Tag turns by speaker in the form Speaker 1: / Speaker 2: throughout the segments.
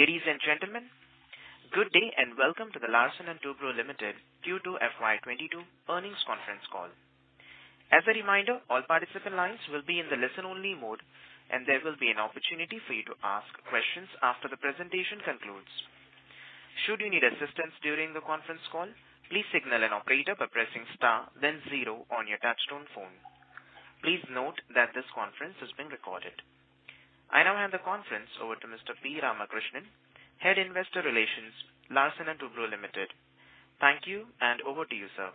Speaker 1: Ladies and gentlemen, good day and welcome to the Larsen & Toubro Limited Q2 FY 2022 Earnings Conference Call. As a reminder, all participant lines will be in the listen-only mode, and there will be an opportunity for you to ask questions after the presentation concludes. Should you need assistance during the conference call, please signal an operator by pressing star then zero on your touchtone phone. Please note that this conference is being recorded. I now hand the conference over to Mr. P. Ramakrishnan, Head Investor Relations, Larsen & Toubro Limited. Thank you and over to you, sir.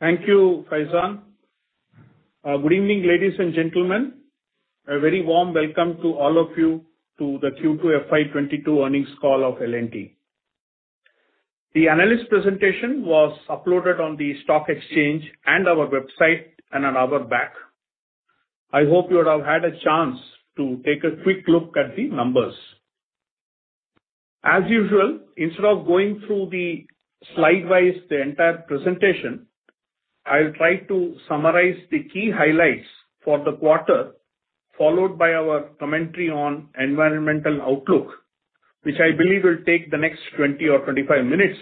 Speaker 2: Thank you, Faizan. Good evening, ladies and gentlemen. A very warm welcome to all of you to the Q2 FY 2022 earnings call of L&T. The analyst presentation was uploaded on the stock exchange and our website an hour back. I hope you would have had a chance to take a quick look at the numbers. As usual, instead of going through the slide-wise the entire presentation, I'll try to summarize the key highlights for the quarter, followed by our commentary on environmental outlook, which I believe will take the next 20 or 25 minutes.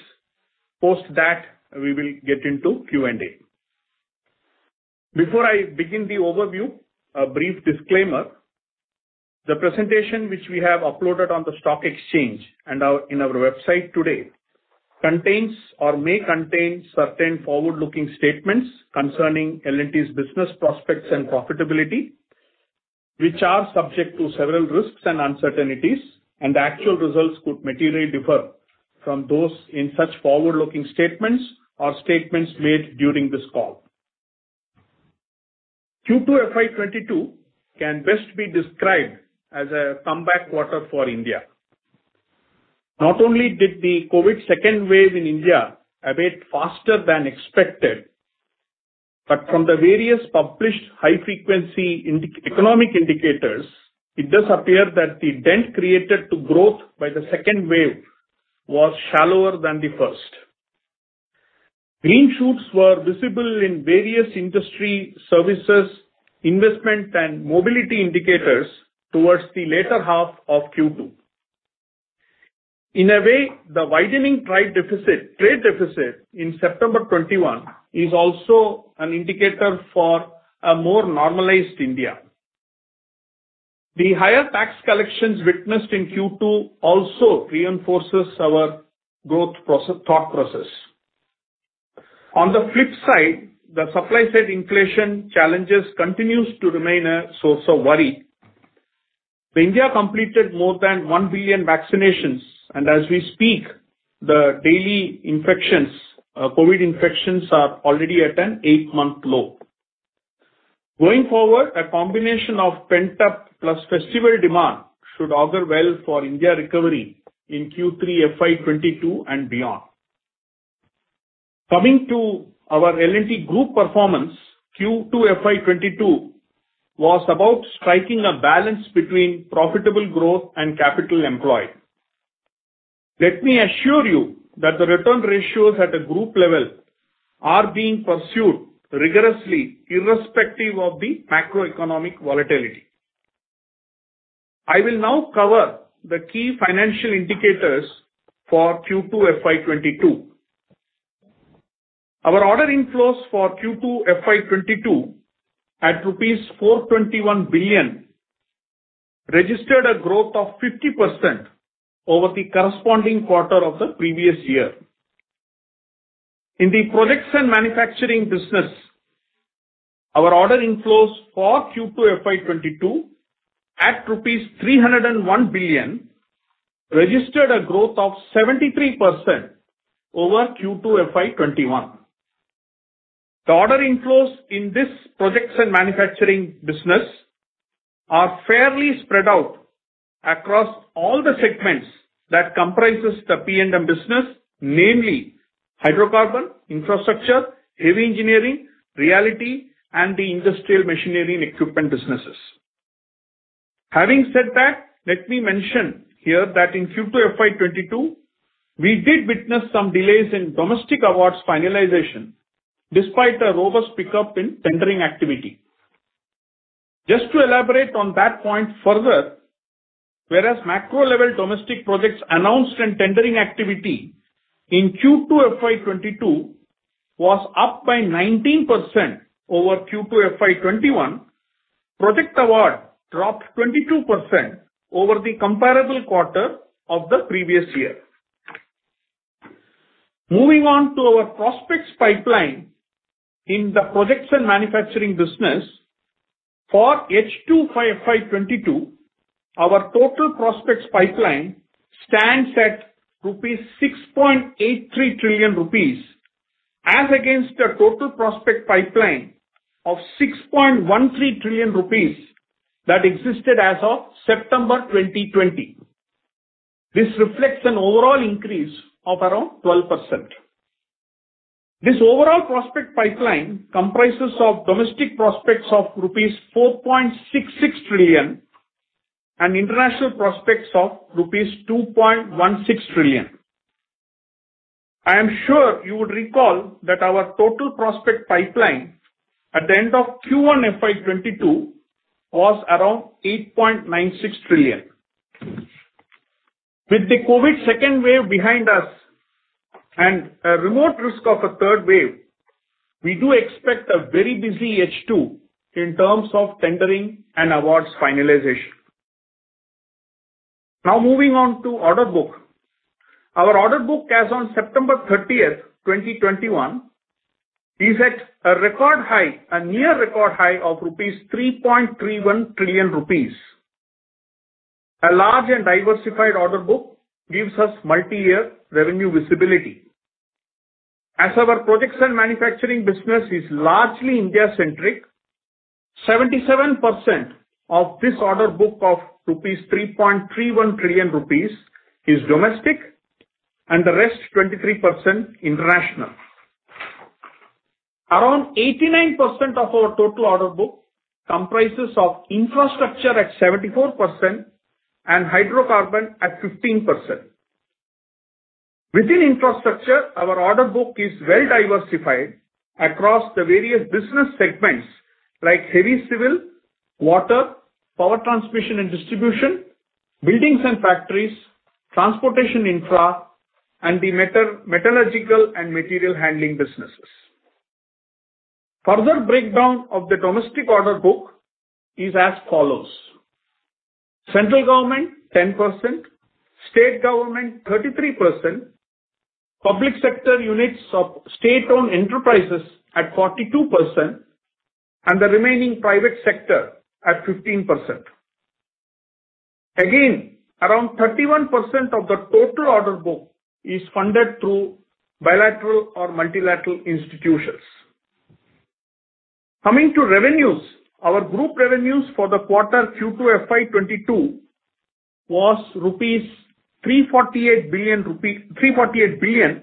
Speaker 2: Post that, we will get into Q&A. Before I begin the overview, a brief disclaimer. The presentation which we have uploaded on the stock exchange and on our website today contains or may contain certain forward-looking statements concerning L&T's business prospects and profitability, which are subject to several risks and uncertainties, and the actual results could materially differ from those in such forward-looking statements or statements made during this call. Q2 FY 2022 can best be described as a comeback quarter for India. Not only did the COVID second wave in India abate faster than expected, but from the various published high frequency economic indicators, it does appear that the dent created in growth by the second wave was shallower than the first. Green shoots were visible in various industry services, investment and mobility indicators towards the latter half of Q2. In a way, the widening trade deficit in September 2021 is also an indicator for a more normalized India. The higher tax collections witnessed in Q2 also reinforces our growth process, thought process. On the flip side, the supply side inflation challenges continues to remain a source of worry. India completed more than 1 billion vaccinations, and as we speak, the daily infections, COVID infections are already at an eight-month low. Going forward, a combination of pent-up plus festival demand should augur well for India recovery in Q3 FY 2022 and beyond. Coming to our L&T Group performance, Q2 FY 2022 was about striking a balance between profitable growth and capital employed. Let me assure you that the return ratios at a group level are being pursued rigorously, irrespective of the macroeconomic volatility. I will now cover the key financial indicators for Q2 FY 2022. Our order inflows for Q2 FY 2022 at rupees 421 billion registered a growth of 50% over the corresponding quarter of the previous year. In the projects and manufacturing business, our order inflows for Q2 FY 2022 at rupees 301 billion registered a growth of 73% over Q2 FY 2021. The order inflows in this projects and manufacturing business are fairly spread out across all the segments that comprises the P&M business, namely hydrocarbon, infrastructure, heavy engineering, realty, and the industrial machinery and equipment businesses. Having said that, let me mention here that in Q2 FY 2022, we did witness some delays in domestic awards finalization despite a robust pickup in tendering activity. Just to elaborate on that point further, whereas macro-level domestic projects announced and tendering activity in Q2 FY 2022 was up by 19% over Q2 FY 2021, project award dropped 22% over the comparable quarter of the previous year. Moving on to our prospects pipeline in the projects and manufacturing business for H2 FY 2022, our total prospects pipeline stands at 6.83 trillion rupees as against a total prospect pipeline of 6.13 trillion rupees that existed as of September 2020. This reflects an overall increase of around 12%. This overall prospect pipeline comprises of domestic prospects of rupees 4.66 trillion and international prospects of rupees 2.16 trillion. I am sure you would recall that our total prospect pipeline at the end of Q1 FY 2022 was around 8.96 trillion. With the COVID second wave behind us and a remote risk of a third wave, we do expect a very busy H2 in terms of tendering and awards finalization. Now moving on to order book. Our order book as on September 30, 2021 is at a record high, a near record high of 3.31 trillion rupees. A large and diversified order book gives us multi-year revenue visibility. As our projects and manufacturing business is largely India-centric, 77% of this order book of 3.31 trillion rupees is domestic and the rest 23% international. Around 89% of our total order book comprises of infrastructure at 74% and hydrocarbon at 15%. Within infrastructure, our order book is well diversified across the various business segments, like heavy civil, water, power transmission and distribution, buildings and factories, transportation infra, and the metallurgical and material handling businesses. Further breakdown of the domestic order book is as follows: Central government 10%, state government 33%, public sector units of state-owned enterprises at 42%, and the remaining private sector at 15%. Again, around 31% of the total order book is funded through bilateral or multilateral institutions. Coming to revenues. Our group revenues for the quarter Q2 FY 2022 was 348 billion,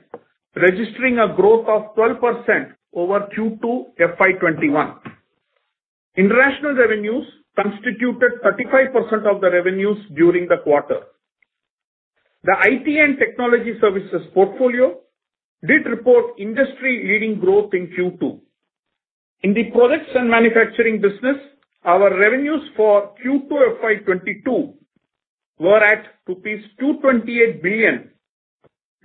Speaker 2: registering a growth of 12% over Q2 FY 2021. International revenues constituted 35% of the revenues during the quarter. The IT & Technology Services portfolio did report industry-leading growth in Q2. In the products and manufacturing business, our revenues for Q2 FY 2022 were at rupees 228 billion,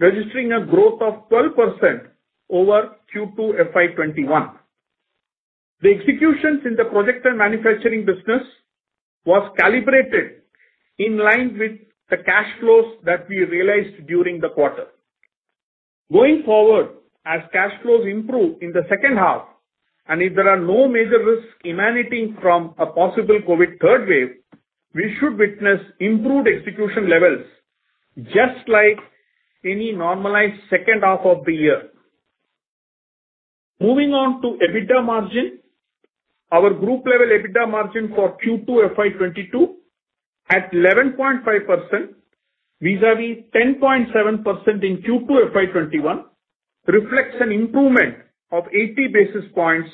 Speaker 2: registering a growth of 12% over Q2 FY 2021. The executions in the products and manufacturing business was calibrated in line with the cash flows that we realized during the quarter. Going forward, as cash flows improve in the second half, and if there are no major risks emanating from a possible COVID third wave, we should witness improved execution levels, just like any normalized second half of the year. Moving on to EBITDA margin. Our group level EBITDA margin for Q2 FY 2022 at 11.5% vis-a-vis 10.7% in Q2 FY 2021 reflects an improvement of 80 basis points,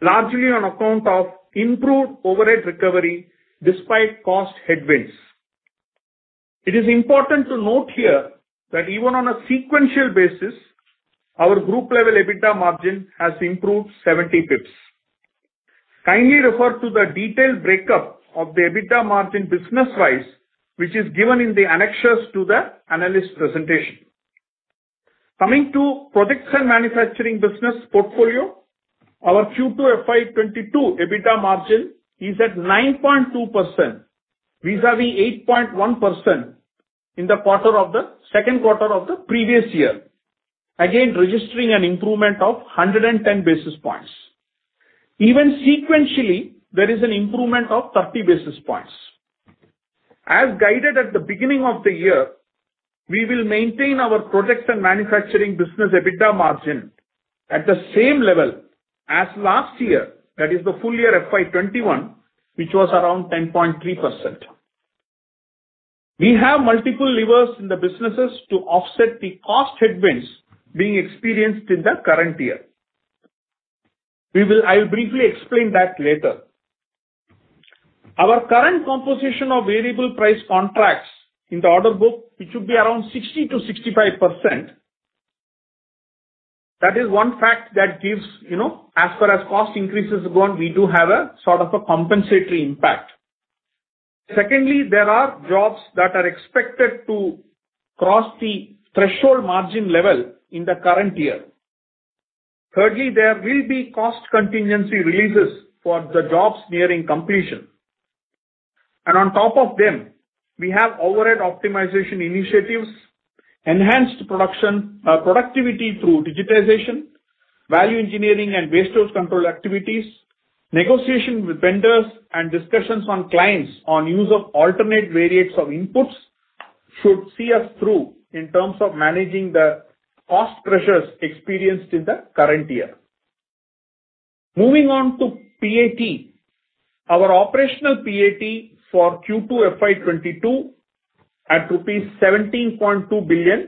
Speaker 2: largely on account of improved overhead recovery despite cost headwinds. It is important to note here that even on a sequential basis, our group level EBITDA margin has improved 70 basis points. Kindly refer to the detailed breakup of the EBITDA margin business-wise, which is given in the annexures to the analyst presentation. Coming to projects and manufacturing business portfolio. Our Q2 FY 2022 EBITDA margin is at 9.2% vis-a-vis 8.1% in the second quarter of the previous year, again, registering an improvement of 110 basis points. Even sequentially, there is an improvement of 30 basis points. As guided at the beginning of the year, we will maintain our projects and manufacturing business EBITDA margin at the same level as last year, that is the full year FY 2021, which was around 10.3%. We have multiple levers in the businesses to offset the cost headwinds being experienced in the current year. I'll briefly explain that later. Our current composition of variable price contracts in the order book, it should be around 60%-65%. That is one fact that gives, you know, as far as cost increases go, and we do have a sort of a compensatory impact. Secondly, there are jobs that are expected to cross the threshold margin level in the current year. Thirdly, there will be cost contingency releases for the jobs nearing completion. On top of them, we have overhead optimization initiatives, enhanced production, productivity through digitization, value engineering and waste control activities, negotiation with vendors and discussions on clients on use of alternate variants of inputs should see us through in terms of managing the cost pressures experienced in the current year. Moving on to PAT. Our operational PAT for Q2 FY 2022 at rupees 17.2 billion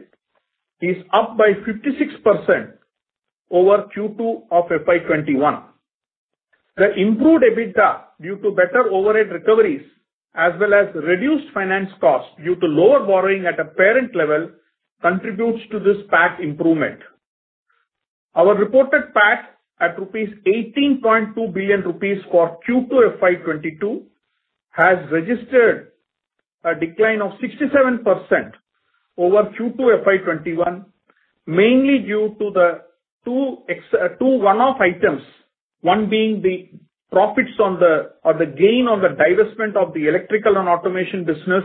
Speaker 2: is up by 56% over Q2 of FY 2021. The improved EBITDA, due to better overhead recoveries, as well as reduced finance costs due to lower borrowing at a parent level, contributes to this PAT improvement. Our reported PAT at 18.2 billion rupees for Q2 FY 2022 has registered a decline of 67% over Q2 FY 2021, mainly due to the two one-off items, one being the gain on the divestment of the electrical and automation business,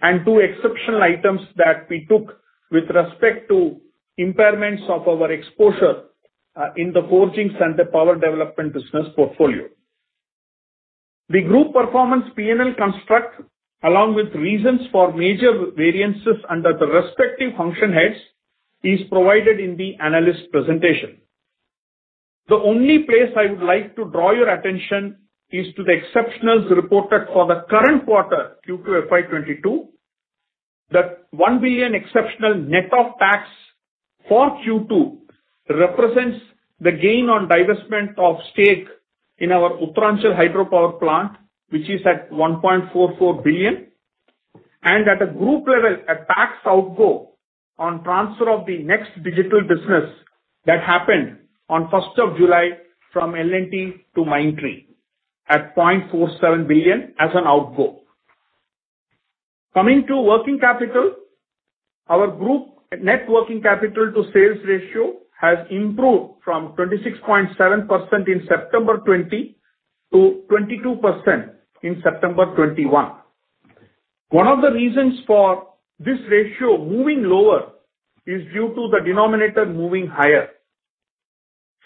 Speaker 2: and two exceptional items that we took with respect to impairments of our exposure in the forgings and the power development business portfolio. The group performance P&L construct, along with reasons for major variances under the respective function heads, is provided in the analyst presentation. The only place I would like to draw your attention is to the exceptionals reported for the current quarter, Q2 FY 2022. The 1 billion exceptional net of tax for Q2 represents the gain on divestment of stake in our Uttaranchal Hydropower plant, which is at 1.44 billion, and at a group level, a tax outflow on transfer of the NxT Digital business that happened on first of July from L&T to Mindtree at 0.47 billion as an outflow. Coming to working capital, our group net working capital to sales ratio has improved from 26.7% in September 2020 to 22% in September 2021. One of the reasons for this ratio moving lower is due to the denominator moving higher.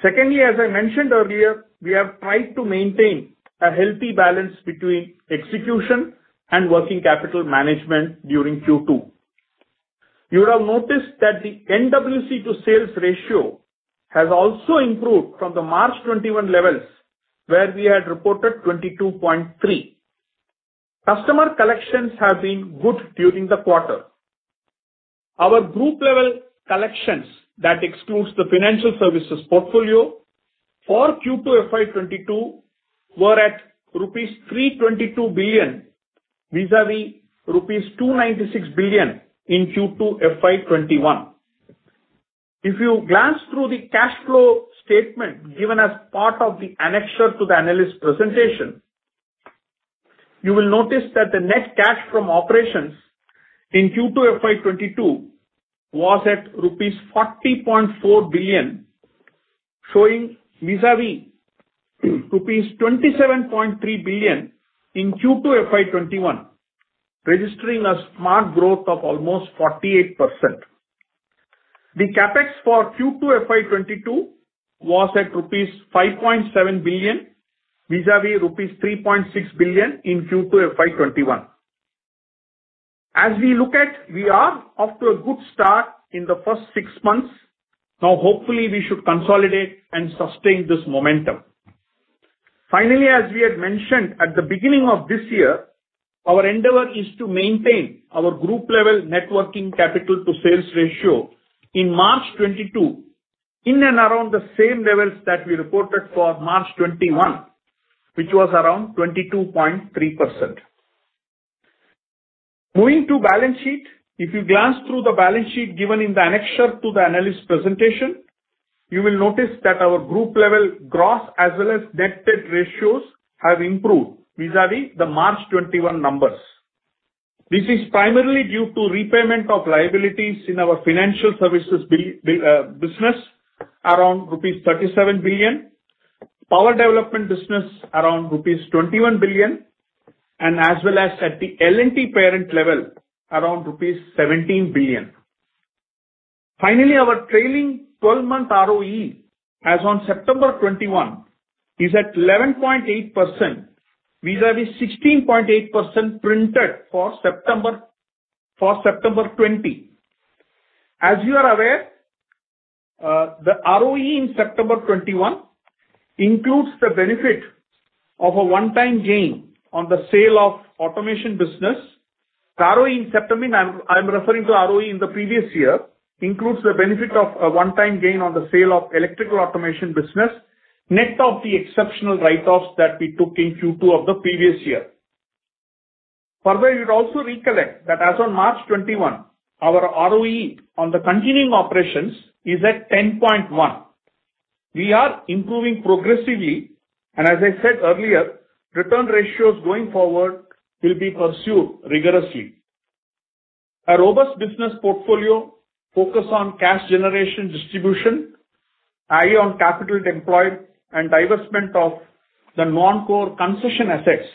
Speaker 2: Secondly, as I mentioned earlier, we have tried to maintain a healthy balance between execution and working capital management during Q2. You would have noticed that the NWC to sales ratio has also improved from the March 2021 levels, where we had reported 22.3. Customer collections have been good during the quarter. Our group level collections, that excludes the financial services portfolio, for Q2 FY 2022 were at rupees 322 billion vis-a-vis rupees 296 billion in Q2 FY 2021. If you glance through the cash flow statement given as part of the annexure to the analyst presentation, you will notice that the net cash from operations in Q2 FY 2022 was at rupees 40.4 billion, showing vis-a-vis rupees 27.3 billion in Q2 FY 2021, registering a smart growth of almost 48%. The CapEx for Q2 FY 2022 was at rupees 5.7 billion, vis-a-vis rupees 3.6 billion in Q2 FY 2021. We are off to a good start in the first six months. Now, hopefully, we should consolidate and sustain this momentum. Finally, as we had mentioned at the beginning of this year, our endeavor is to maintain our group level net working capital to sales ratio in March 2022 in and around the same levels that we reported for March 2021, which was around 22.3%. Moving to balance sheet. If you glance through the balance sheet given in the annexure to the analyst presentation, you will notice that our group level gross as well as net debt ratios have improved vis-a-vis the March 2021 numbers. This is primarily due to repayment of liabilities in our financial services business around rupees 37 billion, power development business around rupees 21 billion, and as well as at the L&T parent level, around rupees 17 billion. Finally, our trailing 12-month ROE as on September 2021 is at 11.8% vis-à-vis 16.8% printed for September 2020. As you are aware, the ROE in September 2021 includes the benefit of a one-time gain on the sale of Electrical & Automation business. The ROE in September, I'm referring to ROE in the previous year, includes the benefit of a one-time gain on the sale of Electrical & Automation business, net of the exceptional write-offs that we took in Q2 of the previous year. Further, you would also recollect that as on March 2021, our ROE on the continuing operations is at 10.1. We are improving progressively, and as I said earlier, return ratios going forward will be pursued rigorously. A robust business portfolio, focus on cash generation distribution, eye on capital deployed, and divestment of the non-core concession assets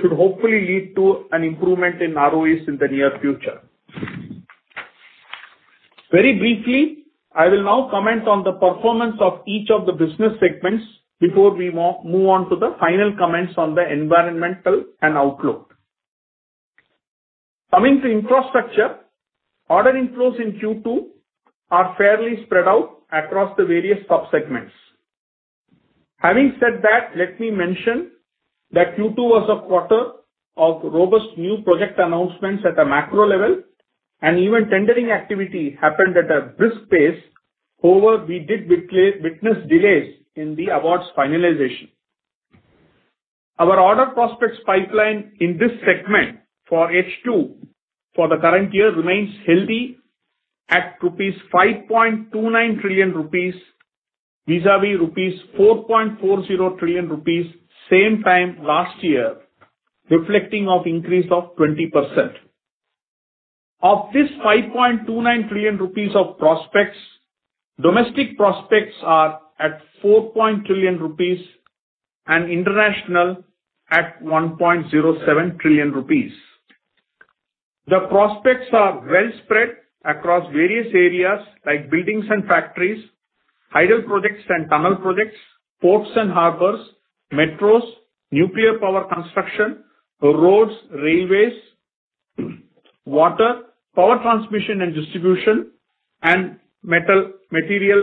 Speaker 2: should hopefully lead to an improvement in ROEs in the near future. Very briefly, I will now comment on the performance of each of the business segments before we move on to the final comments on the environment and outlook. Coming to infrastructure, order inflows in Q2 are fairly spread out across the various sub-segments. Having said that, let me mention that Q2 was a quarter of robust new project announcements at a macro level. Even tendering activity happened at a brisk pace. However, we did witness delays in the awards finalization. Our order prospects pipeline in this segment for H2 for the current year remains healthy at 5.29 trillion rupees vis-à-vis 4.40 trillion rupees same time last year, reflecting an increase of 20%. Of this 5.29 trillion rupees of prospects, domestic prospects are at 4 trillion rupees and international at 1.07 trillion rupees. The prospects are well spread across various areas like buildings and factories, hydro projects and tunnel projects, ports and harbors, metros, nuclear power construction, roads, railways, water, power transmission and distribution, and metallurgical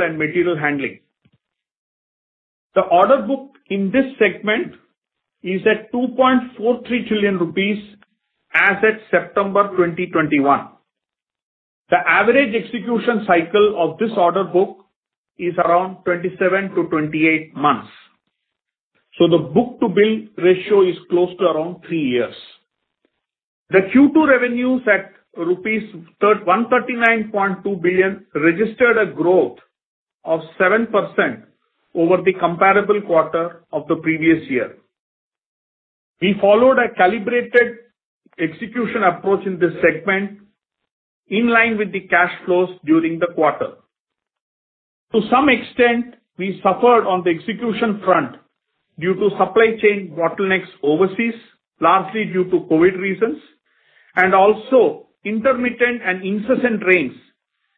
Speaker 2: and material handling. The order book in this segment is at 2.43 trillion rupees as at September 2021. The average execution cycle of this order book is around 27-28 months. The book-to-bill ratio is close to around three years. Q2 revenues at rupees 1,339.2 billion registered a growth of 7% over the comparable quarter of the previous year. We followed a calibrated execution approach in this segment in line with the cash flows during the quarter. To some extent, we suffered on the execution front due to supply chain bottlenecks overseas, largely due to COVID reasons, and also intermittent and incessant rains,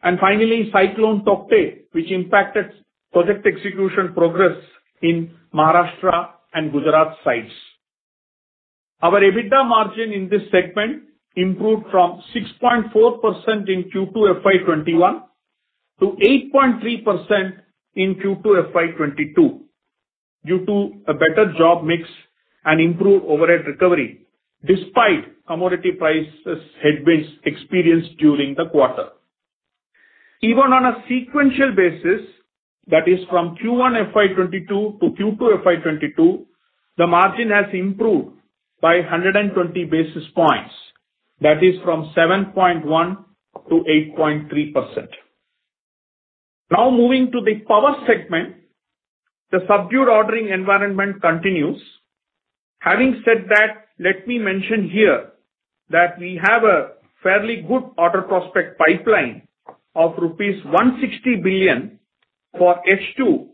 Speaker 2: and finally, Cyclone Tauktae, which impacted project execution progress in Maharashtra and Gujarat sites. Our EBITDA margin in this segment improved from 6.4% in Q2 FY 2021 to 8.3% in Q2 FY 2022 due to a better job mix and improved overhead recovery despite commodity prices headwind experienced during the quarter. Even on a sequential basis, that is from Q1 FY 2022 to Q2 FY 2022, the margin has improved by 120 basis points. That is from 7.1% to 8.3%. Now moving to the power segment, the subdued ordering environment continues. Having said that, let me mention here that we have a fairly good order prospect pipeline of rupees 160 billion for H2,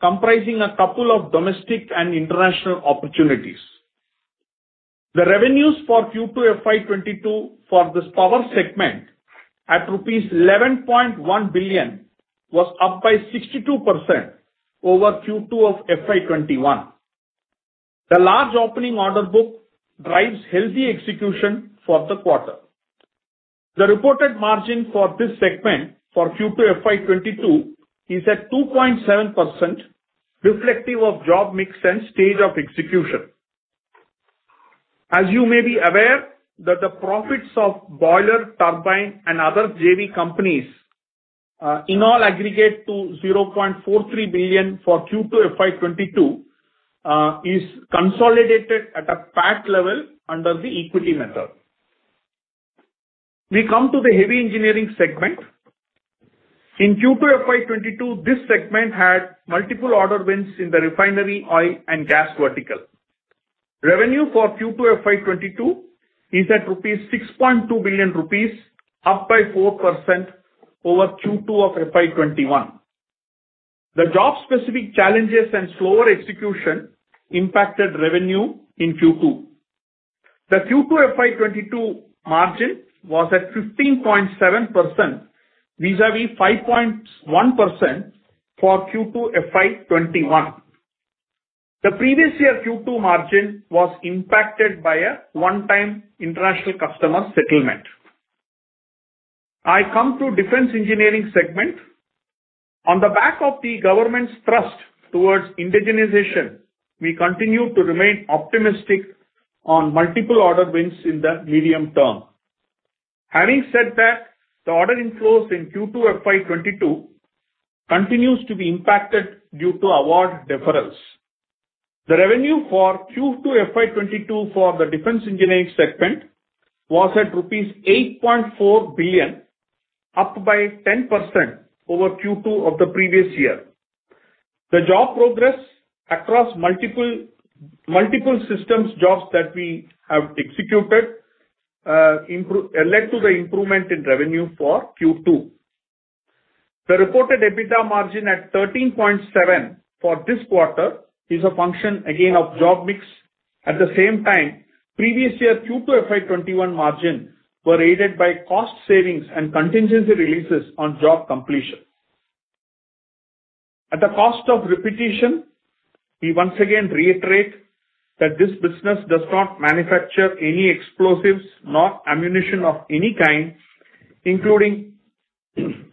Speaker 2: comprising a couple of domestic and international opportunities. The revenues for Q2 FY 2022 for this power segment at rupees 11.1 billion was up by 62% over Q2 of FY 2021. The large opening order book drives healthy execution for the quarter. The reported margin for this segment for Q2 FY 2022 is at 2.7% reflective of job mix and stage of execution. As you may be aware that the profits of boiler, turbine and other JV companies, in all aggregate to 0.43 billion for Q2 FY 2022, is consolidated at a PAT level under the equity method. We come to the Heavy Engineering segment. In Q2 FY 2022, this segment had multiple order wins in the refinery, oil and gas vertical. Revenue for Q2 FY 2022 is at 6.2 billion rupees, up by 4% over Q2 of FY 2021. The job-specific challenges and slower execution impacted revenue in Q2. The Q2 FY 2022 margin was at 15.7% vis-a-vis 5.1% for Q2 FY 2021. The previous year Q2 margin was impacted by a one-time international customer settlement. I come to Defense Engineering segment. On the back of the government's trust towards indigenization, we continue to remain optimistic on multiple order wins in the medium term. Having said that, the order inflows in Q2 FY 2022 continues to be impacted due to award deferrals. The revenue for Q2 FY 2022 for the defense engineering segment was at rupees 8.4 billion, up by 10% over Q2 of the previous year. The job progress across multiple systems jobs that we have executed led to the improvement in revenue for Q2. The reported EBITDA margin at 13.7% for this quarter is a function again of job mix. At the same time, previous year Q2 FY 2021 margin were aided by cost savings and contingency releases on job completion. At the cost of repetition, we once again reiterate that this business does not manufacture any explosives nor ammunition of any kind, including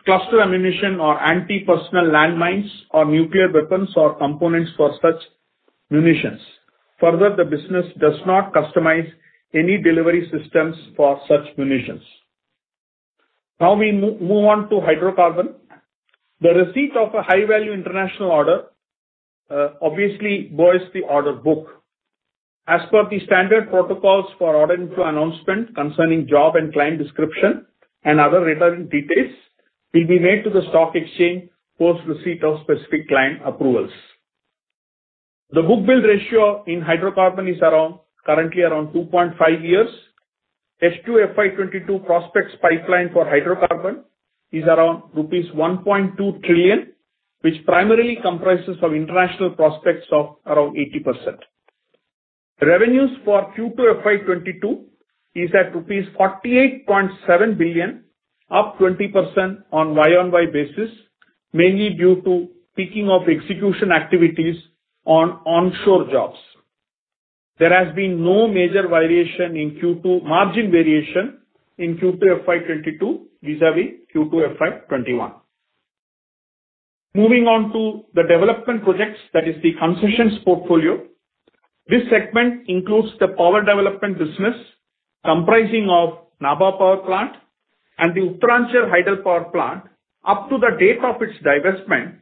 Speaker 2: cluster ammunition or anti-personnel landmines or nuclear weapons or components for such munitions. Further, the business does not customize any delivery systems for such munitions. Now we move on to Hydrocarbon. The receipt of a high-value international order obviously buoys the order book. As per the standard protocols for order intake announcement concerning job and client description and other relevant details will be made to the stock exchange post receipt of specific client approvals. The book-to-bill ratio in Hydrocarbon is around, currently around 2.5 years. H2 FY 2022 prospects pipeline for Hydrocarbon is around rupees 1.2 trillion, which primarily comprises of international prospects of around 80%. Revenues for Q2 FY 2022 is at rupees 48.7 billion, up 20% on YoY basis, mainly due to peaking of execution activities on onshore jobs. There has been no major margin variation in Q2 FY 2022 vis-a-vis Q2 FY 2021. Moving on to the development projects, that is the concessions portfolio. This segment includes the power development business comprising Nabha Power Plant and the Uttaranchal Hydropower Plant up to the date of its divestment,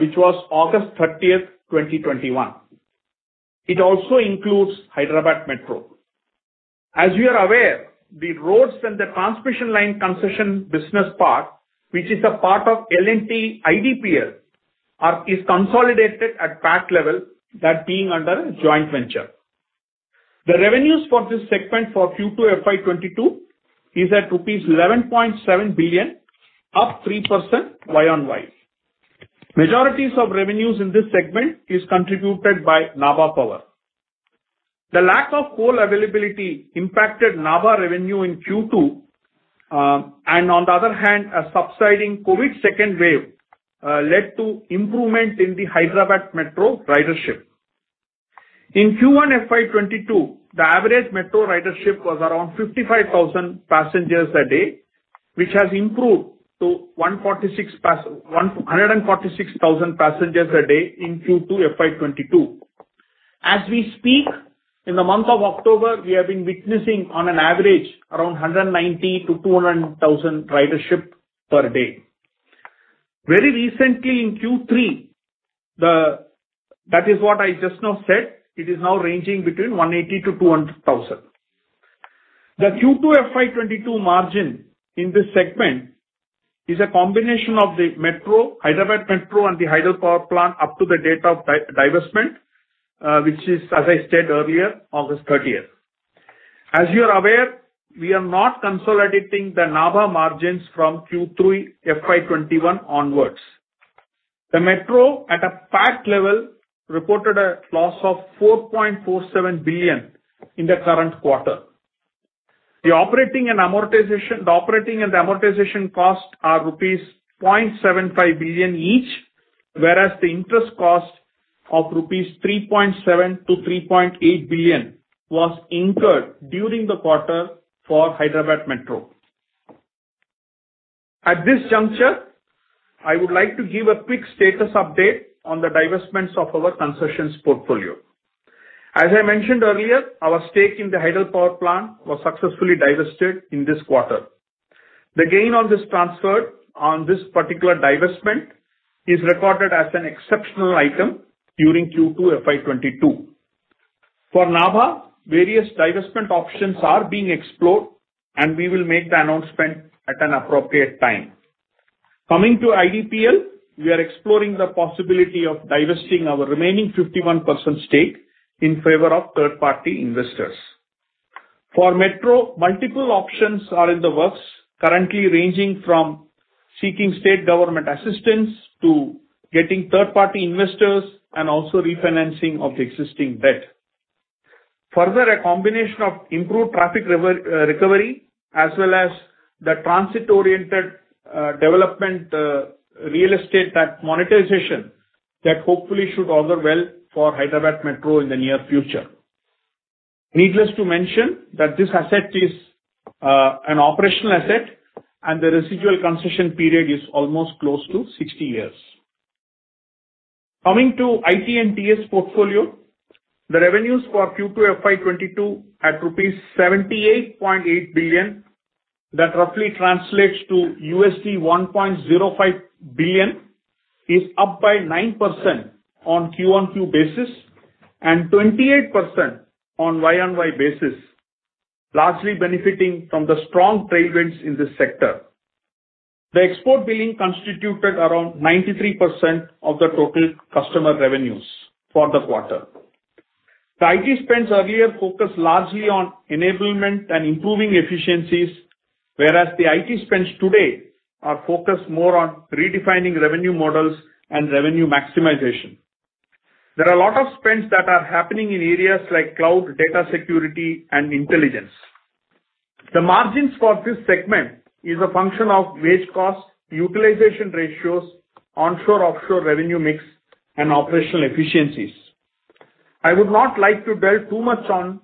Speaker 2: which was August 30, 2021. It also includes Hyderabad Metro. As you are aware, the roads and the transmission line concession business part, which is a part of L&T IDPL, is consolidated at project level that being under joint venture. The revenues for this segment for Q2 FY 2022 is at INR 11.7 billion, up 3% YoY. Majority of revenues in this segment is contributed by Nabha Power. The lack of coal availability impacted Nabha revenue in Q2, and on the other hand, a subsiding COVID second wave led to improvement in the Hyderabad Metro ridership. In Q1 FY 2022, the average metro ridership was around 55,000 passengers a day, which has improved to 146,000 passengers a day in Q2 FY 2022. As we speak, in the month of October, we have been witnessing on average around 190,000-200,000 ridership per day. Very recently in Q3, that is what I just now said, it is now ranging between 180,000-200,000. The Q2 FY 2022 margin in this segment is a combination of the metro, Hyderabad Metro and the Hydel Power Plant up to the date of divestment, which is, as I said earlier, August 30. As you are aware, we are not consolidating the Nabha margins from Q3 FY 2021 onwards. The metro, at a P&L level, reported a loss of 4.47 billion in the current quarter. The operating and amortization costs are rupees 0.75 billion each, whereas the interest cost of 3.7 billion-3.8 billion rupees was incurred during the quarter for Hyderabad Metro. At this juncture, I would like to give a quick status update on the divestments of our concessions portfolio. As I mentioned earlier, our stake in the Hydel Power Plant was successfully divested in this quarter. The gain on this transfer on this particular divestment is recorded as an exceptional item during Q2 FY 2022. For Nabha, various divestment options are being explored, and we will make the announcement at an appropriate time. Coming to IDPL, we are exploring the possibility of divesting our remaining 51% stake in favor of third-party investors. For Metro, multiple options are in the works currently ranging from seeking state government assistance to getting third-party investors and also refinancing of the existing debt. Further, a combination of improved traffic recovery as well as the transit-oriented development real estate that monetization that hopefully should augur well for Hyderabad Metro in the near future. Needless to mention that this asset is an operational asset, and the residual concession period is almost close to 60 years. Coming to IT and TS portfolio, the revenues for Q2 FY 2022 at rupees 78.8 billion, that roughly translates to $1.05 billion, is up by 9% on Q-on-Q basis and 28% on Y-on-Y basis, largely benefiting from the strong tailwinds in this sector. The export billing constituted around 93% of the total customer revenues for the quarter. The IT spends earlier focused largely on enablement and improving efficiencies, whereas the IT spends today are focused more on redefining revenue models and revenue maximization. There are a lot of spends that are happening in areas like cloud, data security and intelligence. The margins for this segment is a function of wage costs, utilization ratios, onshore/offshore revenue mix and operational efficiencies. I would not like to dwell too much on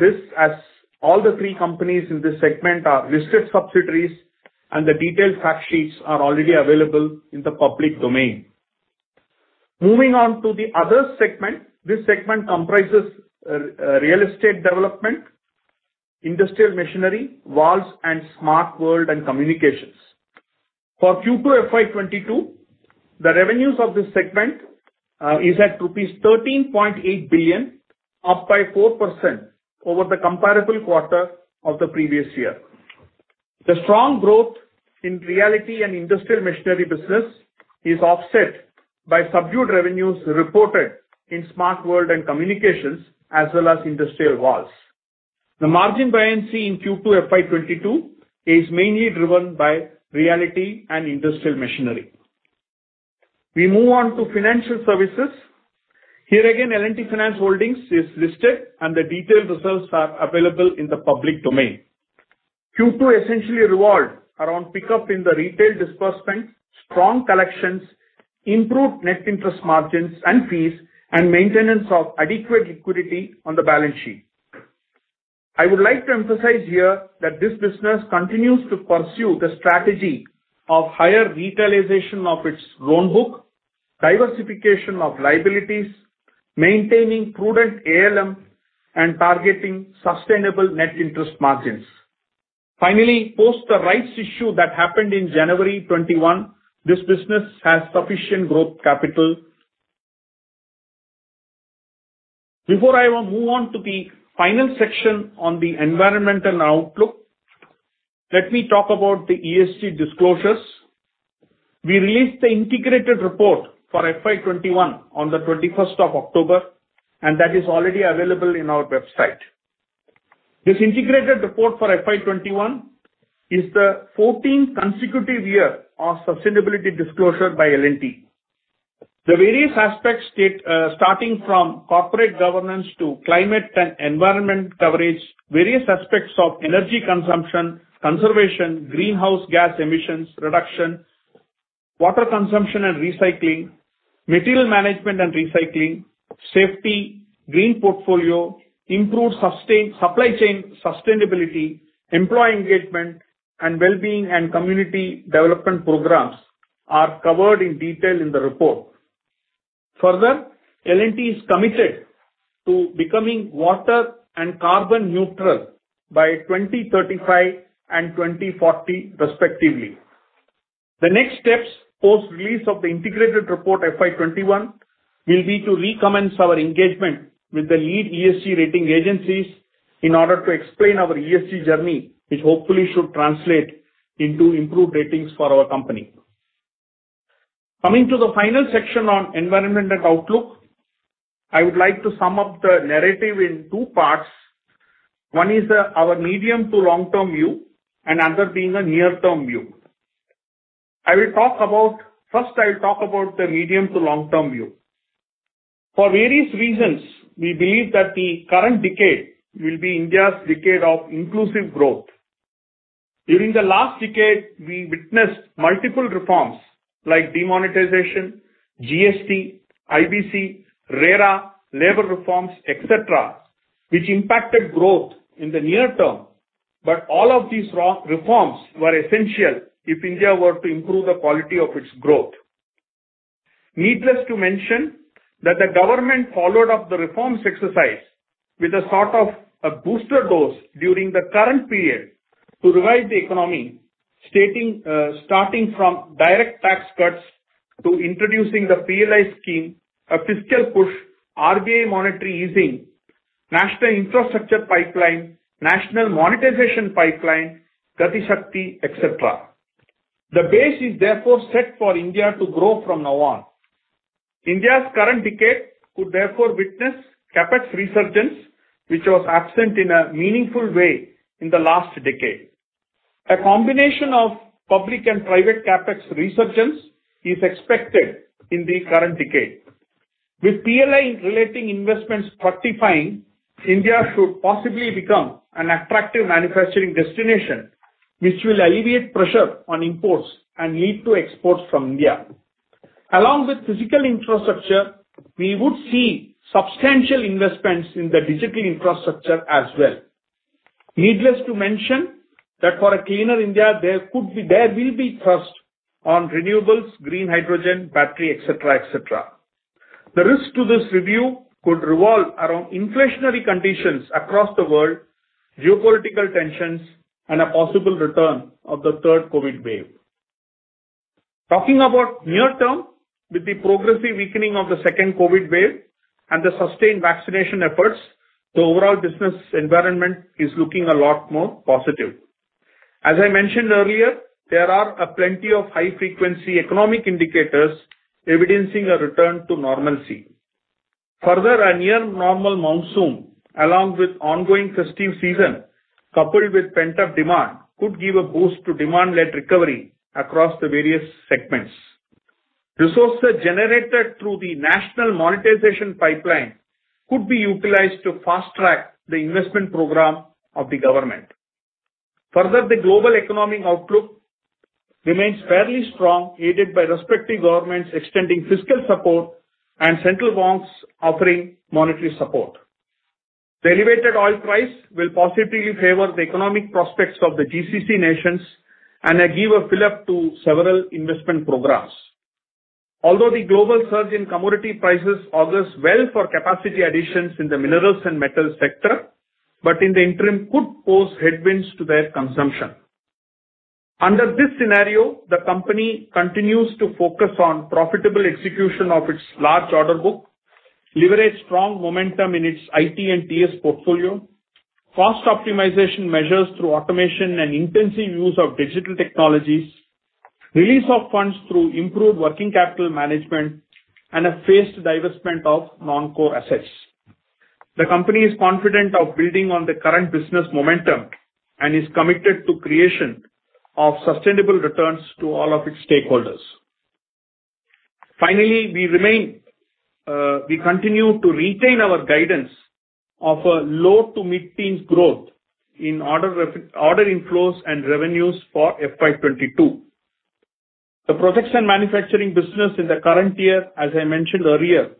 Speaker 2: this as all the three companies in this segment are listed subsidiaries, and the detailed fact sheets are already available in the public domain. Moving on to the other segment. This segment comprises real estate development, industrial machinery, valves, and Smart World and Communications. For Q2 FY 2022, the revenues of this segment is at rupees 13.8 billion, up by 4% over the comparable quarter of the previous year. The strong growth in realty and industrial machinery business is offset by subdued revenues reported in Smart World and Communications, as well as industrial valves. The margin buoyancy in Q2 FY 2022 is mainly driven by realty and industrial machinery. We move on to financial services. Here again, L&T Finance Holdings is listed, and the detailed results are available in the public domain. Q2 essentially revolved around pickup in the retail disbursement, strong collections, improved net interest margins and fees, and maintenance of adequate liquidity on the balance sheet. I would like to emphasize here that this business continues to pursue the strategy of higher retailization of its loan book, diversification of liabilities, maintaining prudent ALM, and targeting sustainable net interest margins. Finally, post the rights issue that happened in January 2021, this business has sufficient growth capital. Before I will move on to the final section on the environmental outlook, let me talk about the ESG disclosures. We released the integrated report for FY 2021 on the 21st of October, and that is already available on our website. This integrated report for FY 2021 is the 14th consecutive year of sustainability disclosure by L&T. The various aspects, starting from corporate governance to climate and environment coverage, various aspects of energy consumption, conservation, greenhouse gas emissions reduction, water consumption and recycling, material management and recycling, safety, green portfolio, improved supply chain sustainability, employee engagement, and wellbeing and community development programs are covered in detail in the report. Further, L&T is committed to becoming water and carbon neutral by 2035 and 2040 respectively. The next steps, post-release of the integrated report FY 2021, will be to recommence our engagement with the lead ESG rating agencies in order to explain our ESG journey, which hopefully should translate into improved ratings for our company. Coming to the final section on environment and outlook, I would like to sum up the narrative in two parts. One is our medium to long-term view, and other being a near-term view. I will talk about. First, I'll talk about the medium to long-term view. For various reasons, we believe that the current decade will be India's decade of inclusive growth. During the last decade, we witnessed multiple reforms like demonetization, GST, IBC, RERA, labor reforms, et cetera, which impacted growth in the near term, but all of these reforms were essential if India were to improve the quality of its growth. Needless to mention that the government followed up the reforms exercise with a sort of a booster dose during the current period to revive the economy, starting from direct tax cuts to introducing the PLI scheme, a fiscal push, RBI monetary easing, National Infrastructure Pipeline, National Monetization Pipeline, Gati Shakti, et cetera. The base is therefore set for India to grow from now on. India's current decade could therefore witness CapEx resurgence, which was absent in a meaningful way in the last decade. A combination of public and private CapEx resurgence is expected in the current decade. With PLI-relating investments fructifying, India should possibly become an attractive manufacturing destination, which will alleviate pressure on imports and lead to exports from India. Along with physical infrastructure, we would see substantial investments in the digital infrastructure as well. Needless to mention that for a cleaner India, there will be thrust on renewables, green hydrogen, battery, et cetera, et cetera. The risk to this review could revolve around inflationary conditions across the world, geopolitical tensions, and a possible return of the third COVID wave. Talking about near term, with the progressive weakening of the second COVID wave and the sustained vaccination efforts, the overall business environment is looking a lot more positive. As I mentioned earlier, there are plenty of high-frequency economic indicators evidencing a return to normalcy. Further, a near normal monsoon, along with ongoing festive season, coupled with pent-up demand, could give a boost to demand-led recovery across the various segments. Resources generated through the National Monetization Pipeline could be utilized to fast-track the investment program of the government. Further, the global economic outlook remains fairly strong, aided by respective governments extending fiscal support and central banks offering monetary support. The elevated oil price will positively favor the economic prospects of the GCC nations and give a fillip to several investment programs. Although the global surge in commodity prices augurs well for capacity additions in the minerals and metals sector, but in the interim could pose headwinds to their consumption. Under this scenario, the company continues to focus on profitable execution of its large order book, leverage strong momentum in its IT and TS portfolio, cost optimization measures through automation and intensive use of digital technologies, release of funds through improved working capital management and a phased divestment of non-core assets. The company is confident of building on the current business momentum and is committed to creation of sustainable returns to all of its stakeholders. Finally, we remain, we continue to retain our guidance of a low- to mid-teens% growth in order inflows and revenues for FY 2022. The projects and manufacturing business in the current year, as I mentioned earlier,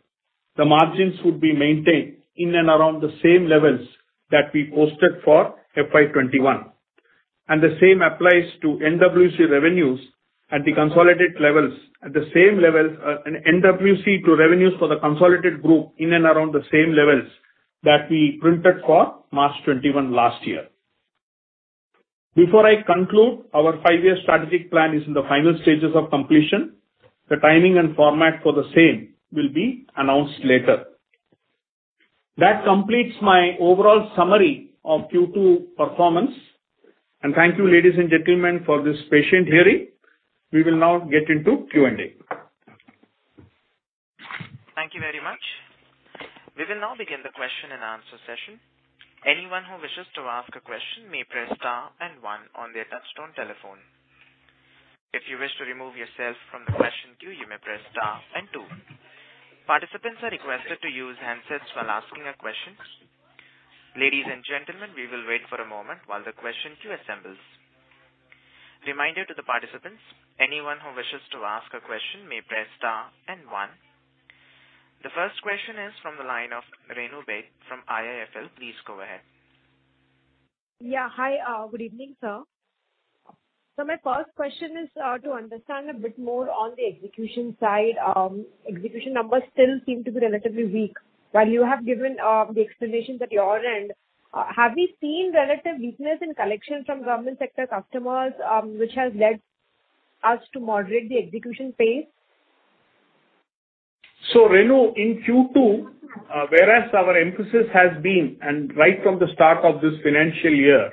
Speaker 2: the margins would be maintained in and around the same levels that we posted for FY 2021. The same applies to NWC revenues at the consolidated levels, at the same levels, NWC to revenues for the consolidated group in and around the same levels that we printed for March 2021 last year. Before I conclude, our five-year strategic plan is in the final stages of completion. The timing and format for the same will be announced later. That completes my overall summary of Q2 performance. Thank you, ladies and gentlemen, for this patient hearing. We will now get into Q&A.
Speaker 1: Thank you very much. We will now begin the question and answer session. Anyone who wishes to ask a question may press star and one on their touchtone telephone. If you wish to remove yourself from the question queue, you may press star and two. Participants are requested to use handsets while asking a question. Ladies and gentlemen, we will wait for a moment while the question queue assembles. Reminder to the participants, anyone who wishes to ask a question may press star and one. The first question is from the line of Renu Baid from IIFL. Please go ahead.
Speaker 3: Hi. Good evening, sir. My first question is to understand a bit more on the execution side. Execution numbers still seem to be relatively weak. While you have given the explanations at your end, have we seen relative weakness in collection from government sector customers, which has led us to moderate the execution pace?
Speaker 2: Renu, in Q2, whereas our emphasis has been, and right from the start of this financial year,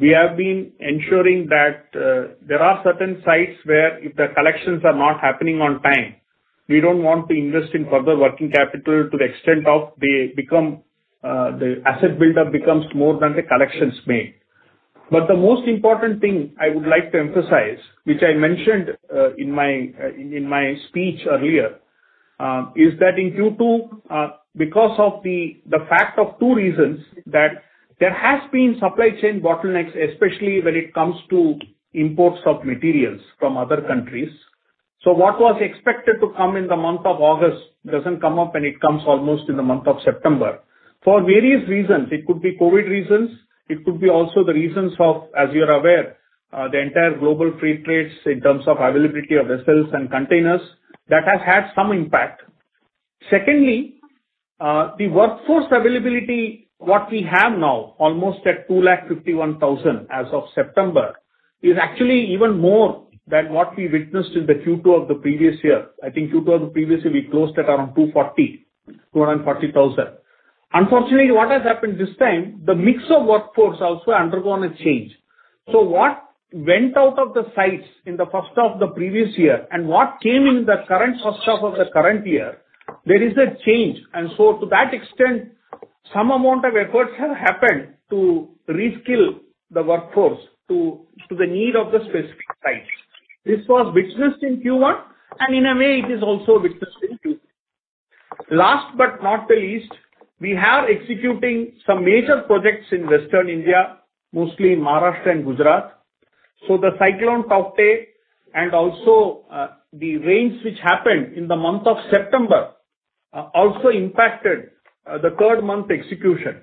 Speaker 2: we have been ensuring that there are certain sites where if the collections are not happening on time, we don't want to invest in further working capital to the extent that the asset buildup becomes more than the collections made. The most important thing I would like to emphasize, which I mentioned in my speech earlier, is that in Q2, because of the fact of two reasons that there has been supply chain bottlenecks, especially when it comes to imports of materials from other countries. What was expected to come in the month of August doesn't come up, and it comes almost in the month of September. For various reasons. It could be COVID reasons. It could also be the reasons for, as you're aware, the entire global freight rates in terms of availability of vessels and containers. That has had some impact. Secondly, the workforce availability, what we have now, almost at 251,000 as of September, is actually even more than what we witnessed in the Q2 of the previous year. I think Q2 of the previous year we closed at around 240,000. Unfortunately, what has happened this time, the mix of workforce also undergone a change. So what went out of the sites in the first half of the previous year and what came in the current first half of the current year, there is a change. To that extent, some amount of efforts have happened to reskill the workforce to the need of the specific sites. This was witnessed in Q1, and in a way it is also witnessed in Q2. Last but not the least, we are executing some major projects in Western India, mostly in Maharashtra and Gujarat. The Cyclone Tauktae and also, the rains which happened in the month of September, also impacted, the third month execution.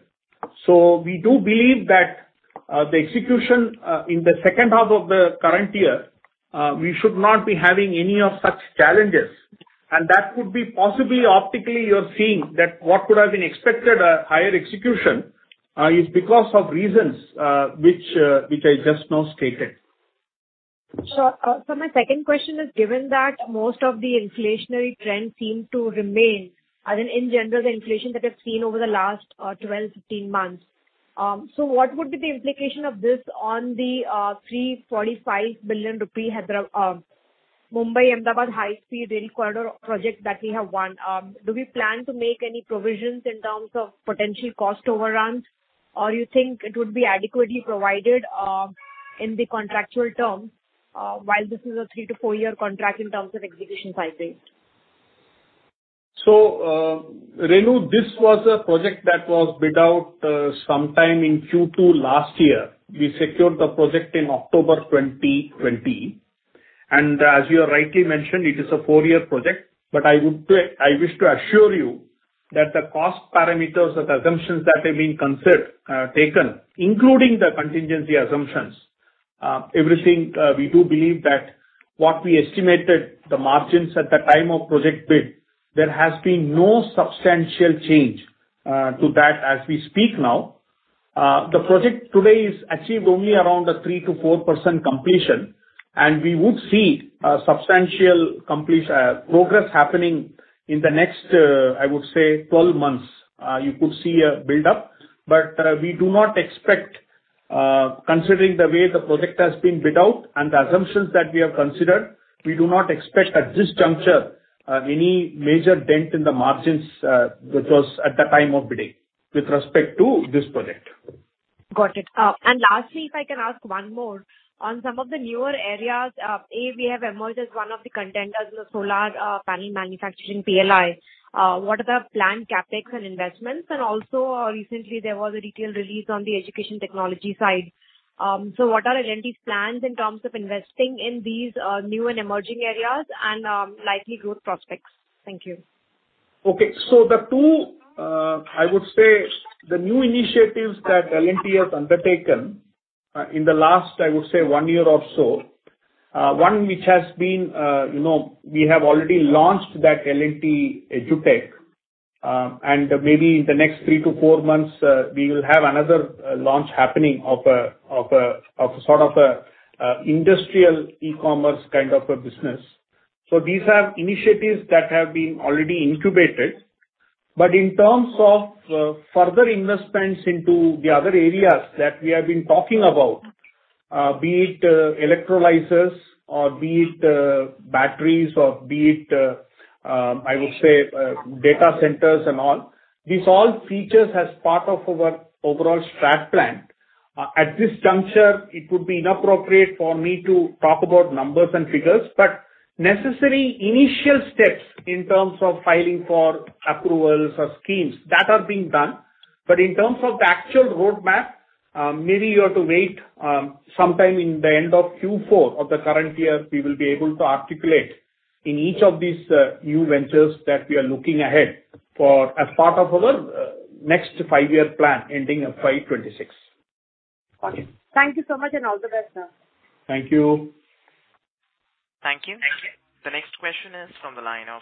Speaker 2: We do believe that, the execution, in the second half of the current year, we should not be having any of such challenges. That could be possibly optically you're seeing that what could have been expected a higher execution, is because of reasons, which I just now stated.
Speaker 3: Sure. My second question is, given that most of the inflationary trends seem to remain, as in general the inflation that we've seen over the last 12, 15 months, what would be the implication of this on the 345 billion rupee Mumbai-Ahmedabad High Speed Rail Corridor project that we have won? Do we plan to make any provisions in terms of potential cost overruns? Or you think it would be adequately provided in the contractual terms while this is a 3 to 4-year contract in terms of execution timing?
Speaker 2: Renu, this was a project that was bid out sometime in Q2 last year. We secured the project in October 2020. As you rightly mentioned, it is a 4-year project. I wish to assure you that the cost parameters and assumptions that have been considered, taken, including the contingency assumptions, everything, we do believe that what we estimated the margins at the time of project bid, there has been no substantial change to that as we speak now. The project today is achieved only around 3%-4% completion, and we would see a substantial progress happening in the next, I would say 12 months. You could see a buildup. We do not expect, considering the way the project has been bid out and the assumptions that we have considered, we do not expect at this juncture, any major dent in the margins, which was at the time of bidding with respect to this project.
Speaker 3: Got it. Lastly, if I can ask one more. On some of the newer areas, we have emerged as one of the contenders in the solar panel manufacturing PLI. What are the planned CapEx and investments? And also, recently there was a recent release on the education technology side. What are L&T's plans in terms of investing in these new and emerging areas and likely growth prospects? Thank you.
Speaker 2: Okay. The two new initiatives that L&T has undertaken in the last 1 year or so, one which has been, you know, we have already launched L&T EduTech. And maybe in the next 3-4 months, we will have another launch happening of sort of an industrial e-commerce kind of a business. These are initiatives that have been already incubated. But in terms of further investments into the other areas that we have been talking about, be it electrolyzers or be it batteries or be it, I would say, data centers and all these features as part of our overall strategic plan. At this juncture it would be inappropriate for me to talk about numbers and figures, but necessary initial steps in terms of filing for approvals or schemes that are being done. In terms of the actual roadmap, maybe you have to wait, sometime in the end of Q4 of the current year, we will be able to articulate in each of these new ventures that we are looking ahead for as part of our next five-year plan ending FY 2026.
Speaker 3: Okay. Thank you so much and all the best, sir.
Speaker 2: Thank you.
Speaker 1: Thank you. The next question is from the line of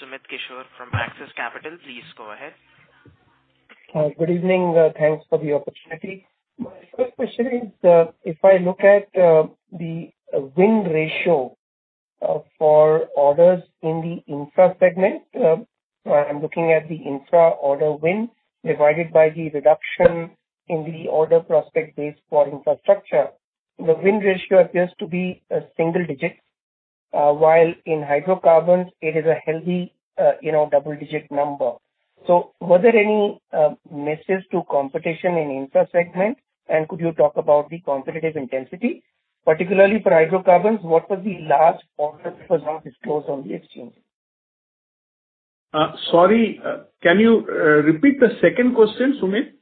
Speaker 1: Sumit Kishore from Axis Capital. Please go ahead.
Speaker 4: Good evening. Thanks for the opportunity. My first question is, if I look at the win ratio for orders in the infra segment, so I'm looking at the infra order win divided by the reduction in the order prospect base for infrastructure. The win ratio appears to be a single digit, while in hydrocarbons it is a healthy, you know, double-digit number. Were there any misses to competition in infra segment? And could you talk about the competitive intensity? Particularly for hydrocarbons, what was the large order that was not disclosed on the exchange?
Speaker 2: Sorry. Can you repeat the second question, Sumit?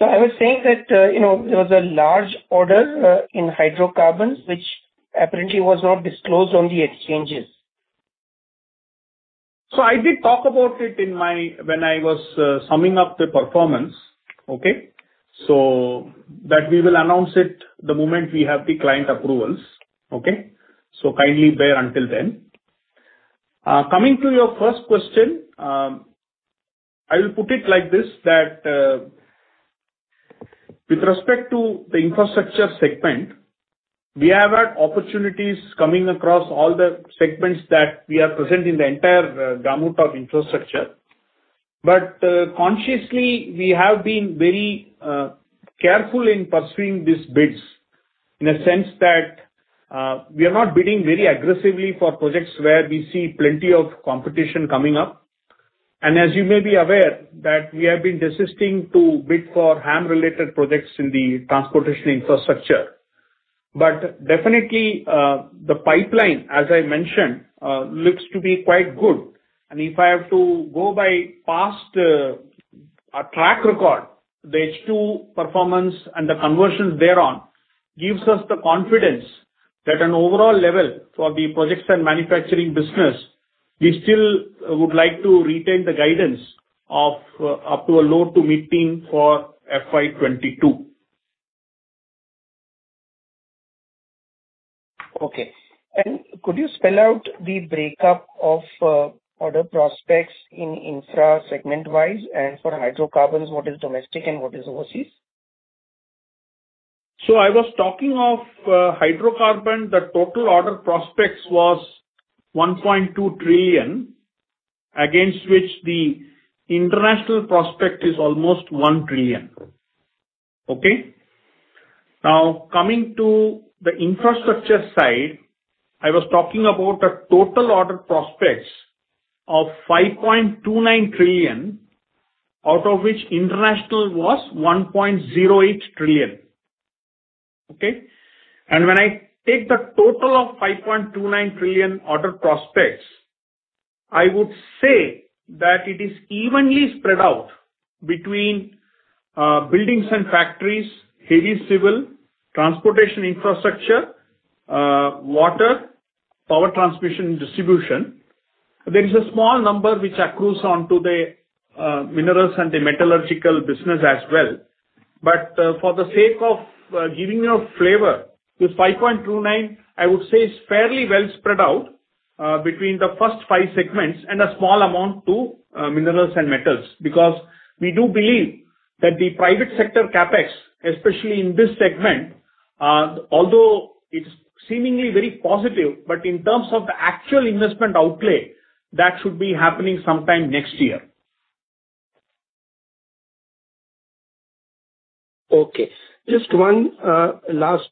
Speaker 4: I was saying that, you know, there was a large order in hydrocarbons, which apparently was not disclosed on the exchanges.
Speaker 2: I did talk about it when I was summing up the performance. Okay? That we will announce it the moment we have the client approvals. Okay? Kindly bear until then. Coming to your first question, I will put it like this, that, with respect to the infrastructure segment, we have had opportunities coming across all the segments that we are present in the entire gamut of infrastructure. But, consciously, we have been very careful in pursuing these bids in a sense that, we are not bidding very aggressively for projects where we see plenty of competition coming up. And as you may be aware, that we have been desisting to bid for HAM-related projects in the transportation infrastructure. But definitely, the pipeline, as I mentioned, looks to be quite good. If I have to go by our past track record, the H2 performance and the conversions thereon gives us the confidence that an overall level for the projects and manufacturing business, we still would like to retain the guidance of up to low to mid-teens for FY 2022.
Speaker 4: Okay. Could you spell out the breakup of order prospects in infra segment-wise? For hydrocarbons, what is domestic and what is overseas?
Speaker 2: I was talking of hydrocarbon. The total order prospects was 1.2 trillion, against which the international prospect is almost 1 trillion. Now, coming to the infrastructure side, I was talking about a total order prospects of 5.29 trillion, out of which international was 1.08 trillion. When I take the total of 5.29 trillion order prospects, I would say that it is evenly spread out between buildings and factories, heavy civil, transportation infrastructure, water, power transmission distribution. There is a small number which accrues onto the minerals and the metallurgical business as well. For the sake of giving you a flavor, this 5.29, I would say is fairly well spread out between the first five segments and a small amount to minerals and metals. Because we do believe that the private sector CapEx, especially in this segment, although it's seemingly very positive, but in terms of the actual investment outlay, that should be happening sometime next year.
Speaker 4: Okay. Just one last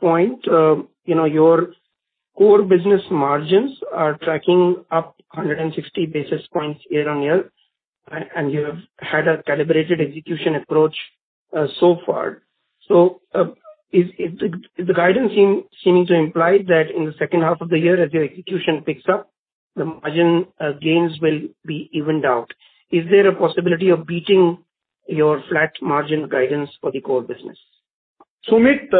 Speaker 4: point. You know, your core business margins are tracking up 160 basis points year-on-year, right? You have had a calibrated execution approach so far. Is the guidance seeming to imply that in the second half of the year as your execution picks up, the margin gains will be evened out? Is there a possibility of beating your flat margin guidance for the core business?
Speaker 2: Sumit,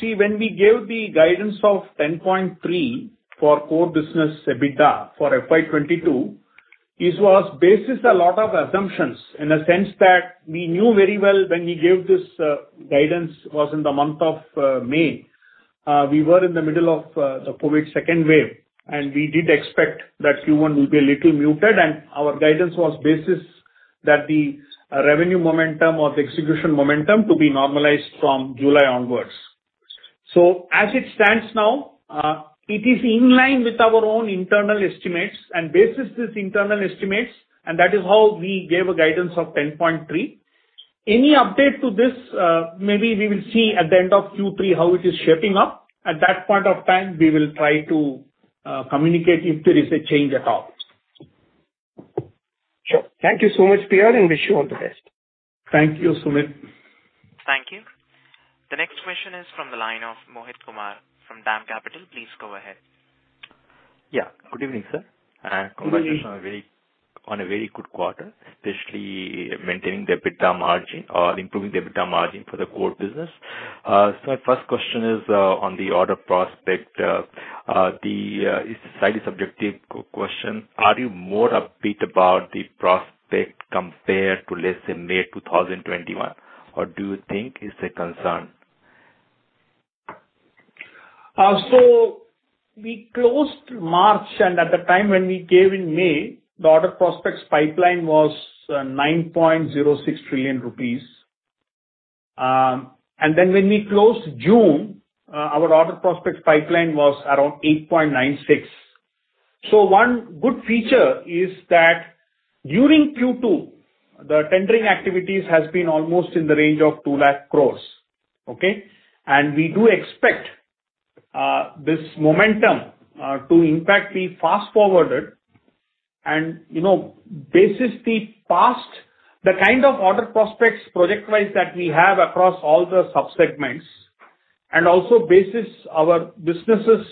Speaker 2: see, when we gave the guidance of 10.3 for core business EBITDA for FY 2022, this was basis a lot of assumptions in a sense that we knew very well when we gave this guidance was in the month of May. We were in the middle of the COVID second wave, and we did expect that Q1 will be a little muted, and our guidance was basis that the revenue momentum or the execution momentum to be normalized from July onwards. As it stands now, it is in line with our own internal estimates and basis this internal estimates, and that is how we gave a guidance of 10.3. Any update to this, maybe we will see at the end of Q3 how it is shaping up. At that point of time, we will try to communicate if there is a change at all.
Speaker 4: Sure. Thank you so much, PR, and wish you all the best.
Speaker 2: Thank you, Sumit.
Speaker 1: Thank you. The next question is from the line of Mohit Kumar from DAM Capital. Please go ahead.
Speaker 5: Yeah. Good evening, sir.
Speaker 2: Good evening.
Speaker 5: Congratulations on a very good quarter, especially maintaining the EBITDA margin or improving the EBITDA margin for the core business. So my first question is on the order prospect. It's slightly subjective question. Are you more upbeat about the prospect compared to, let's say, May 2021? Or do you think it's a concern?
Speaker 2: We closed March, and at the time when we gave in May, the order prospects pipeline was 9.06 trillion rupees. Then when we closed June, our order prospects pipeline was around 8.96 trillion. One good feature is that during Q2, the tendering activities has been almost in the range of 2 lakh crores, okay? We do expect this momentum to in fact be fast-forwarded. You know, basis the past, the kind of order prospects project-wise that we have across all the sub-segments, and also basis our business's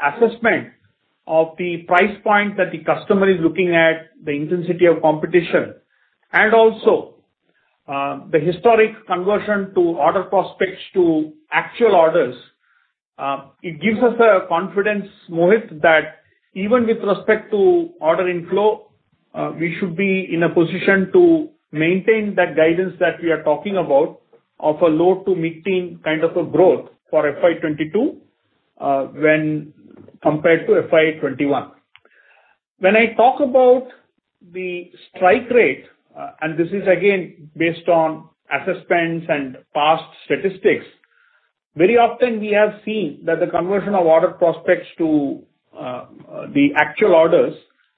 Speaker 2: assessment of the price point that the customer is looking at, the intensity of competition, and also the historic conversion of order prospects to actual orders, it gives us the confidence, Mohit Kumar, that even with respect to order inflow, we should be in a position to maintain that guidance that we are talking about of a low to mid-teen% growth for FY 2022 when compared to FY 2021. When I talk about the strike rate, and this is again based on assessments and past statistics, very often we have seen that the conversion of order prospects to the actual orders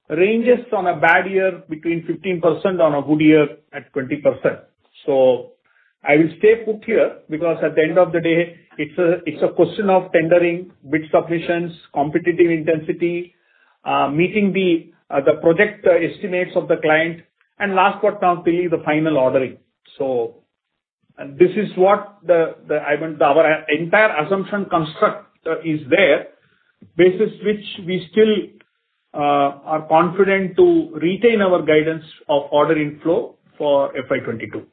Speaker 2: ranges from 15% in a bad year to 20% in a good year. I will stay put here because at the end of the day, it's a question of tendering, bid submissions, competitive intensity, meeting the project estimates of the client, and last but not least, the final ordering. This is what I mean, our entire assumption construct is there, basis which we still are confident to retain our guidance of order inflow for FY 2022.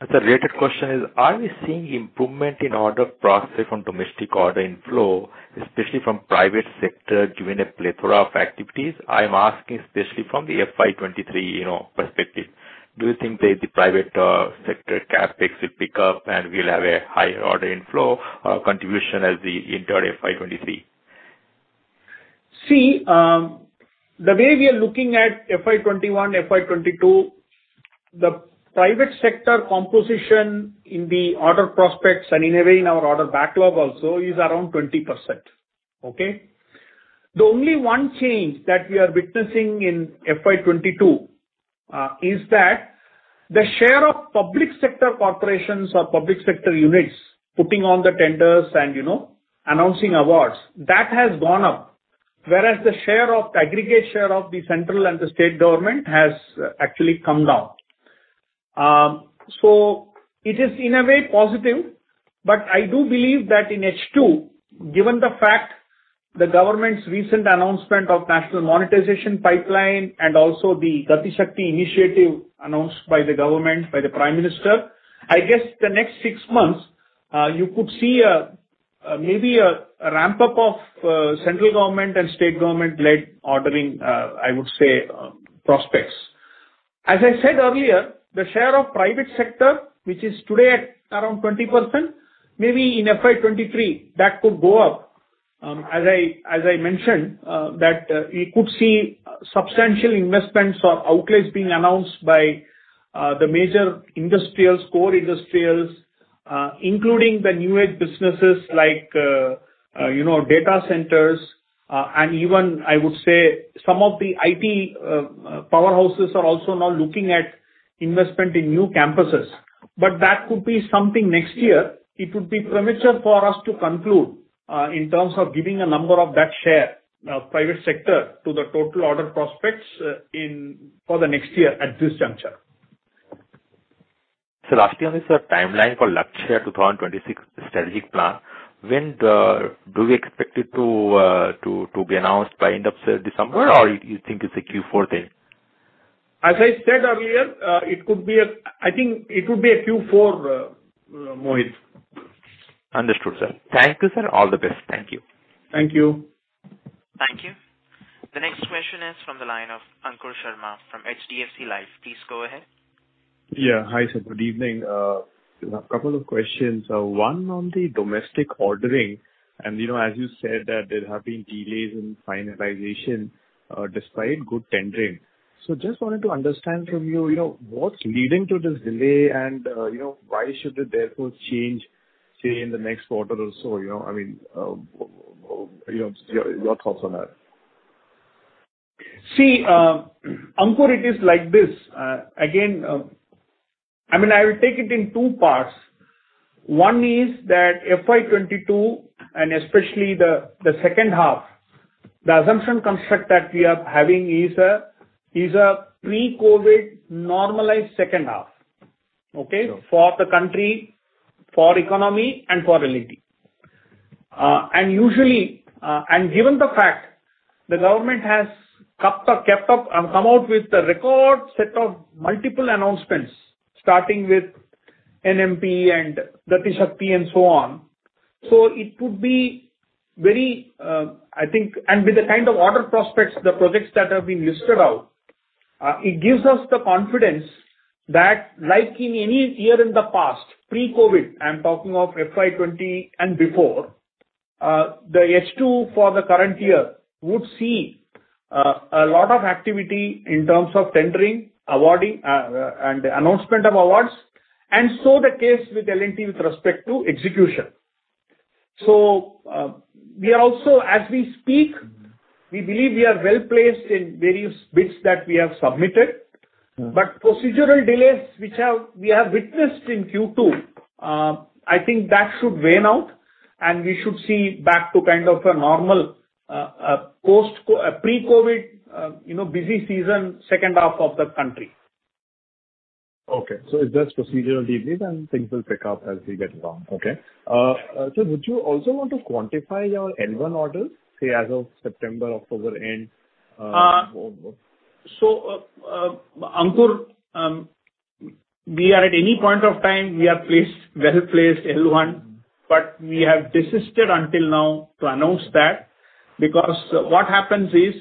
Speaker 5: As a related question is, are we seeing improvement in order prospects from domestic order inflow, especially from private sector, given a plethora of activities? I'm asking especially from the FY 2023, you know, perspective. Do you think that the private sector CapEx will pick up and we'll have a higher order inflow contribution as we enter FY 2023?
Speaker 2: See, the way we are looking at FY 2021, FY 2022, the private sector composition in the order prospects and in a way in our order backlog also is around 20%, okay? The only one change that we are witnessing in FY 2022 is that the share of public sector corporations or public sector units putting on the tenders and, you know, announcing awards, that has gone up. Whereas the share of the aggregate share of the central and the state government has actually come down. It is in a way positive, but I do believe that in H2, given the fact the government's recent announcement of National Monetisation Pipeline and also the Gati Shakti initiative announced by the government, by the Prime Minister, I guess the next six months, you could see a maybe a ramp-up of central government and state government-led ordering, I would say prospects. As I said earlier, the share of private sector, which is today at around 20%, maybe in FY 2023, that could go up. As I mentioned, that we could see substantial investments or outlays being announced by the major industrials, core industrials, including the new age businesses like, you know, data centers, and even I would say some of the IT powerhouses are also now looking at investment in new campuses. That could be something next year. It would be premature for us to conclude, in terms of giving a number of that share of private sector to the total order prospects, in for the next year at this juncture.
Speaker 5: Lastly on this, timeline for Lakshya 2026 strategic plan, when do we expect it to be announced by end of December, or you think it's a Q4 thing?
Speaker 2: As I said earlier, I think it would be a Q4, Mohit.
Speaker 5: Understood, sir. Thank you, sir. All the best. Thank you.
Speaker 2: Thank you.
Speaker 1: Thank you. The next question is from the line of Ankur Sharma from HDFC Life. Please go ahead.
Speaker 6: Yeah. Hi, sir. Good evening. A couple of questions. One on the domestic ordering, and, you know, as you said that there have been delays in finalization, despite good tendering. Just wanted to understand from you know, what's leading to this delay and, you know, why should it therefore change, say, in the next quarter or so? You know, I mean, you know, your thoughts on that.
Speaker 2: See, Ankur, it is like this. Again, I mean, I will take it in two parts. One is that FY 2022 and especially the second half, the assumption construct that we are having is a pre-COVID normalized second half. Okay?
Speaker 6: Sure.
Speaker 2: For the country, for economy and for L&T. Usually, given the fact the government has kept up and come out with a record set of multiple announcements, starting with NMP and Gati Shakti and so on. It would be very, I think and with the kind of order prospects, the projects that have been listed out, it gives us the confidence that like in any year in the past, pre-COVID, I'm talking of FY 2020 and before, the H2 for the current year would see a lot of activity in terms of tendering, awarding, and announcement of awards. So is the case with L&T with respect to execution. We also as we speak, we believe we are well-placed in various bids that we have submitted.
Speaker 6: Mm-hmm.
Speaker 2: Procedural delays which we have witnessed in Q2, I think that should wane out and we should see back to kind of a normal, pre-COVID, you know, busy season, second half of the country.
Speaker 6: Okay. It's just procedural delays and things will pick up as we get along. Okay. Sir, would you also want to quantify your L1 orders, say as of September, October end?
Speaker 2: Ankur, we are at any point of time, we are placed, well-placed L1, but we have desisted until now to announce that because what happens is,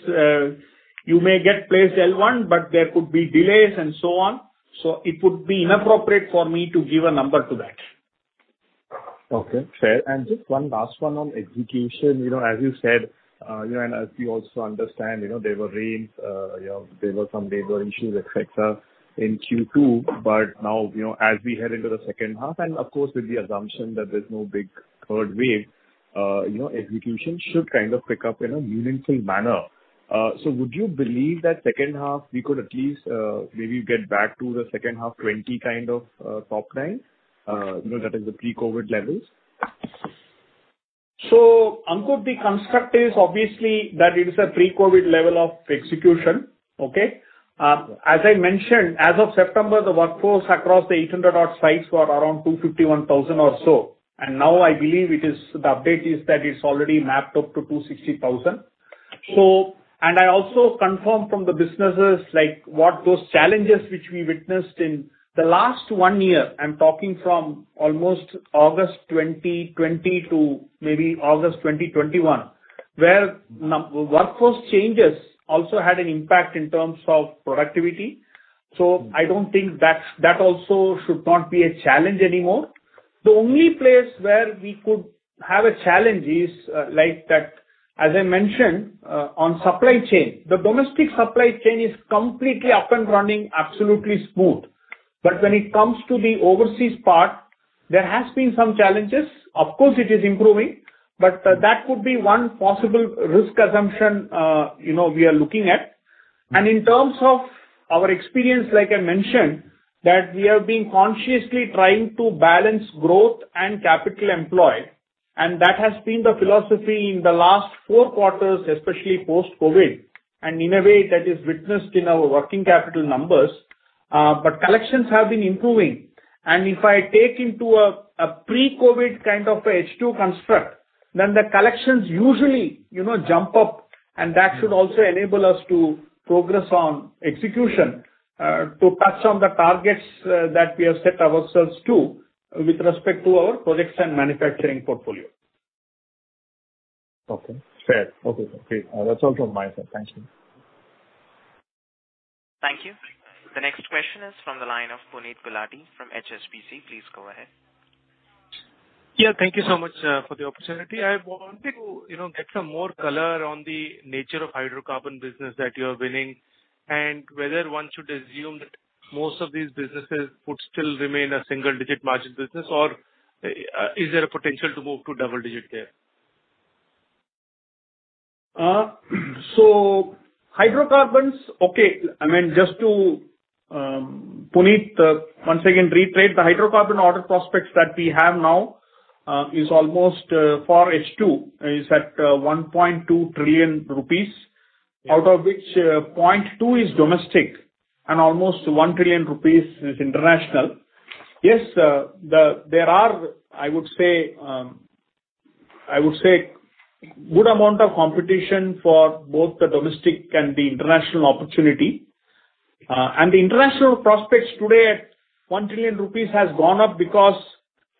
Speaker 2: you may get placed L1, but there could be delays and so on. It would be inappropriate for me to give a number to that.
Speaker 6: Okay, fair. Just one last one on execution. You know, as you said, you know, and as we also understand, you know, there were rains, you know, there were some labor issues, et cetera, in Q2. Now, you know, as we head into the second half and of course, with the assumption that there's no big third wave, you know, execution should kind of pick up in a meaningful manner. Would you believe that second half we could at least, maybe get back to the second half 20 kind of top line? You know, that is the pre-COVID levels.
Speaker 2: Ankur, the construct is obviously that it is a pre-COVID level of execution. Okay? As I mentioned, as of September, the workforce across the 800-odd sites were around 251,000 or so. Now I believe the update is that it's already ramped up to 260,000. I also confirm from the businesses like what those challenges which we witnessed in the last 1 year. I'm talking from almost August 2020 to maybe August 2021, where workforce changes also had an impact in terms of productivity. I don't think that also should not be a challenge anymore. The only place where we could have a challenge is like that, as I mentioned, on supply chain. The domestic supply chain is completely up and running absolutely smooth. When it comes to the overseas part, there has been some challenges. Of course, it is improving, but that could be one possible risk assumption, you know, we are looking at. In terms of our experience, like I mentioned, that we have been consciously trying to balance growth and capital employed, and that has been the philosophy in the last four quarters, especially post-COVID, and in a way that is witnessed in our working capital numbers. Collections have been improving. If I take into a pre-COVID kind of H2 construct, then the collections usually, you know, jump up, and that should also enable us to progress on execution, to touch on the targets, that we have set ourselves to with respect to our projects and manufacturing portfolio.
Speaker 6: Okay, fair. Okay. Great. That's all from my side. Thank you.
Speaker 1: Thank you. The next question is from the line of Puneet Gulati from HSBC. Please go ahead.
Speaker 7: Yeah. Thank you so much for the opportunity. I want to, you know, get some more color on the nature of hydrocarbon business that you are winning and whether one should assume that most of these businesses would still remain a single digit margin business, or is there a potential to move to double digit there?
Speaker 2: Hydrocarbons. Okay. I mean, just to Puneet, once again reiterate the hydrocarbon order prospects that we have now is almost for H2 is at 1.2 trillion rupees, out of which 0.2 trillion is domestic and almost 1 trillion rupees is international. Yes, there are I would say good amount of competition for both the domestic and the international opportunity. The international prospects today at 1 trillion rupees has gone up because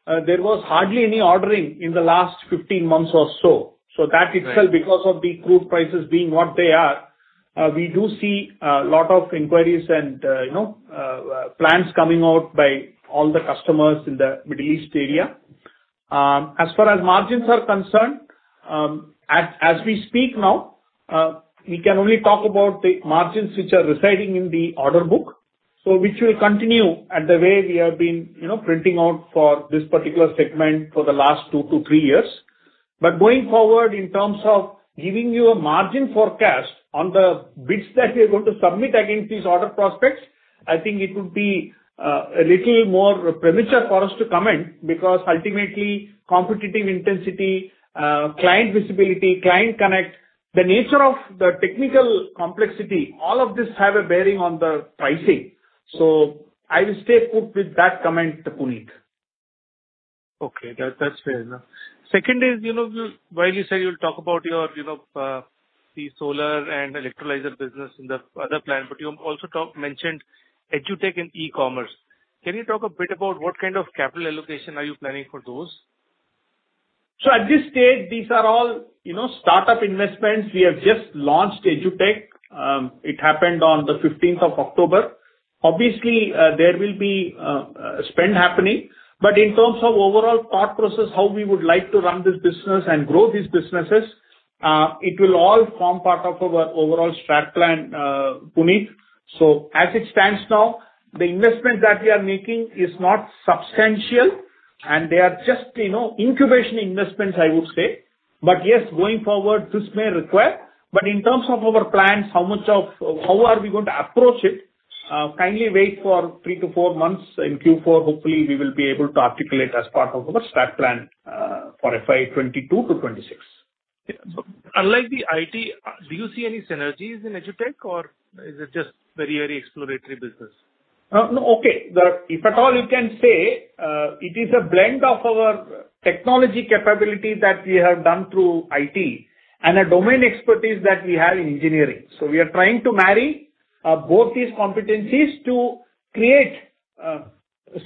Speaker 2: there was hardly any ordering in the last 15 months or so. That itself because of the crude prices being what they are we do see a lot of inquiries and you know plans coming out by all the customers in the Middle East area. As far as margins are concerned, as we speak now, we can only talk about the margins which are residing in the order book. Which will continue at the way we have been, you know, printing out for this particular segment for the last two to three years. Going forward, in terms of giving you a margin forecast on the bids that we are going to submit against these order prospects, I think it would be a little more premature for us to comment, because ultimately competitive intensity, client visibility, client connect, the nature of the technical complexity, all of this have a bearing on the pricing. I will stay put with that comment, Puneet.
Speaker 7: Okay, that's fair enough. Second is, you know, while you say you'll talk about your, you know, the solar and electrolyzer business in the other plan, but you also mentioned EduTech in e-commerce. Can you talk a bit about what kind of capital allocation are you planning for those?
Speaker 2: At this stage, these are all, you know, startup investments. We have just launched EduTech. It happened on the 15th of October. Obviously, there will be spend happening. In terms of overall thought process, how we would like to run this business and grow these businesses, it will all form part of our overall strat plan, Puneet. As it stands now, the investment that we are making is not substantial, and they are just, you know, incubation investments, I would say. Yes, going forward, this may require. In terms of our plans, how are we going to approach it? Kindly wait for three to four months. In Q4 hopefully we will be able to articulate as part of our strat plan for FY 2022-FY 2026.
Speaker 7: Unlike the IT, do you see any synergies in L&T EduTech, or is it just very, very exploratory business?
Speaker 2: No. Okay. If at all you can say, it is a blend of our technology capability that we have done through IT and a domain expertise that we have in engineering. We are trying to marry both these competencies to create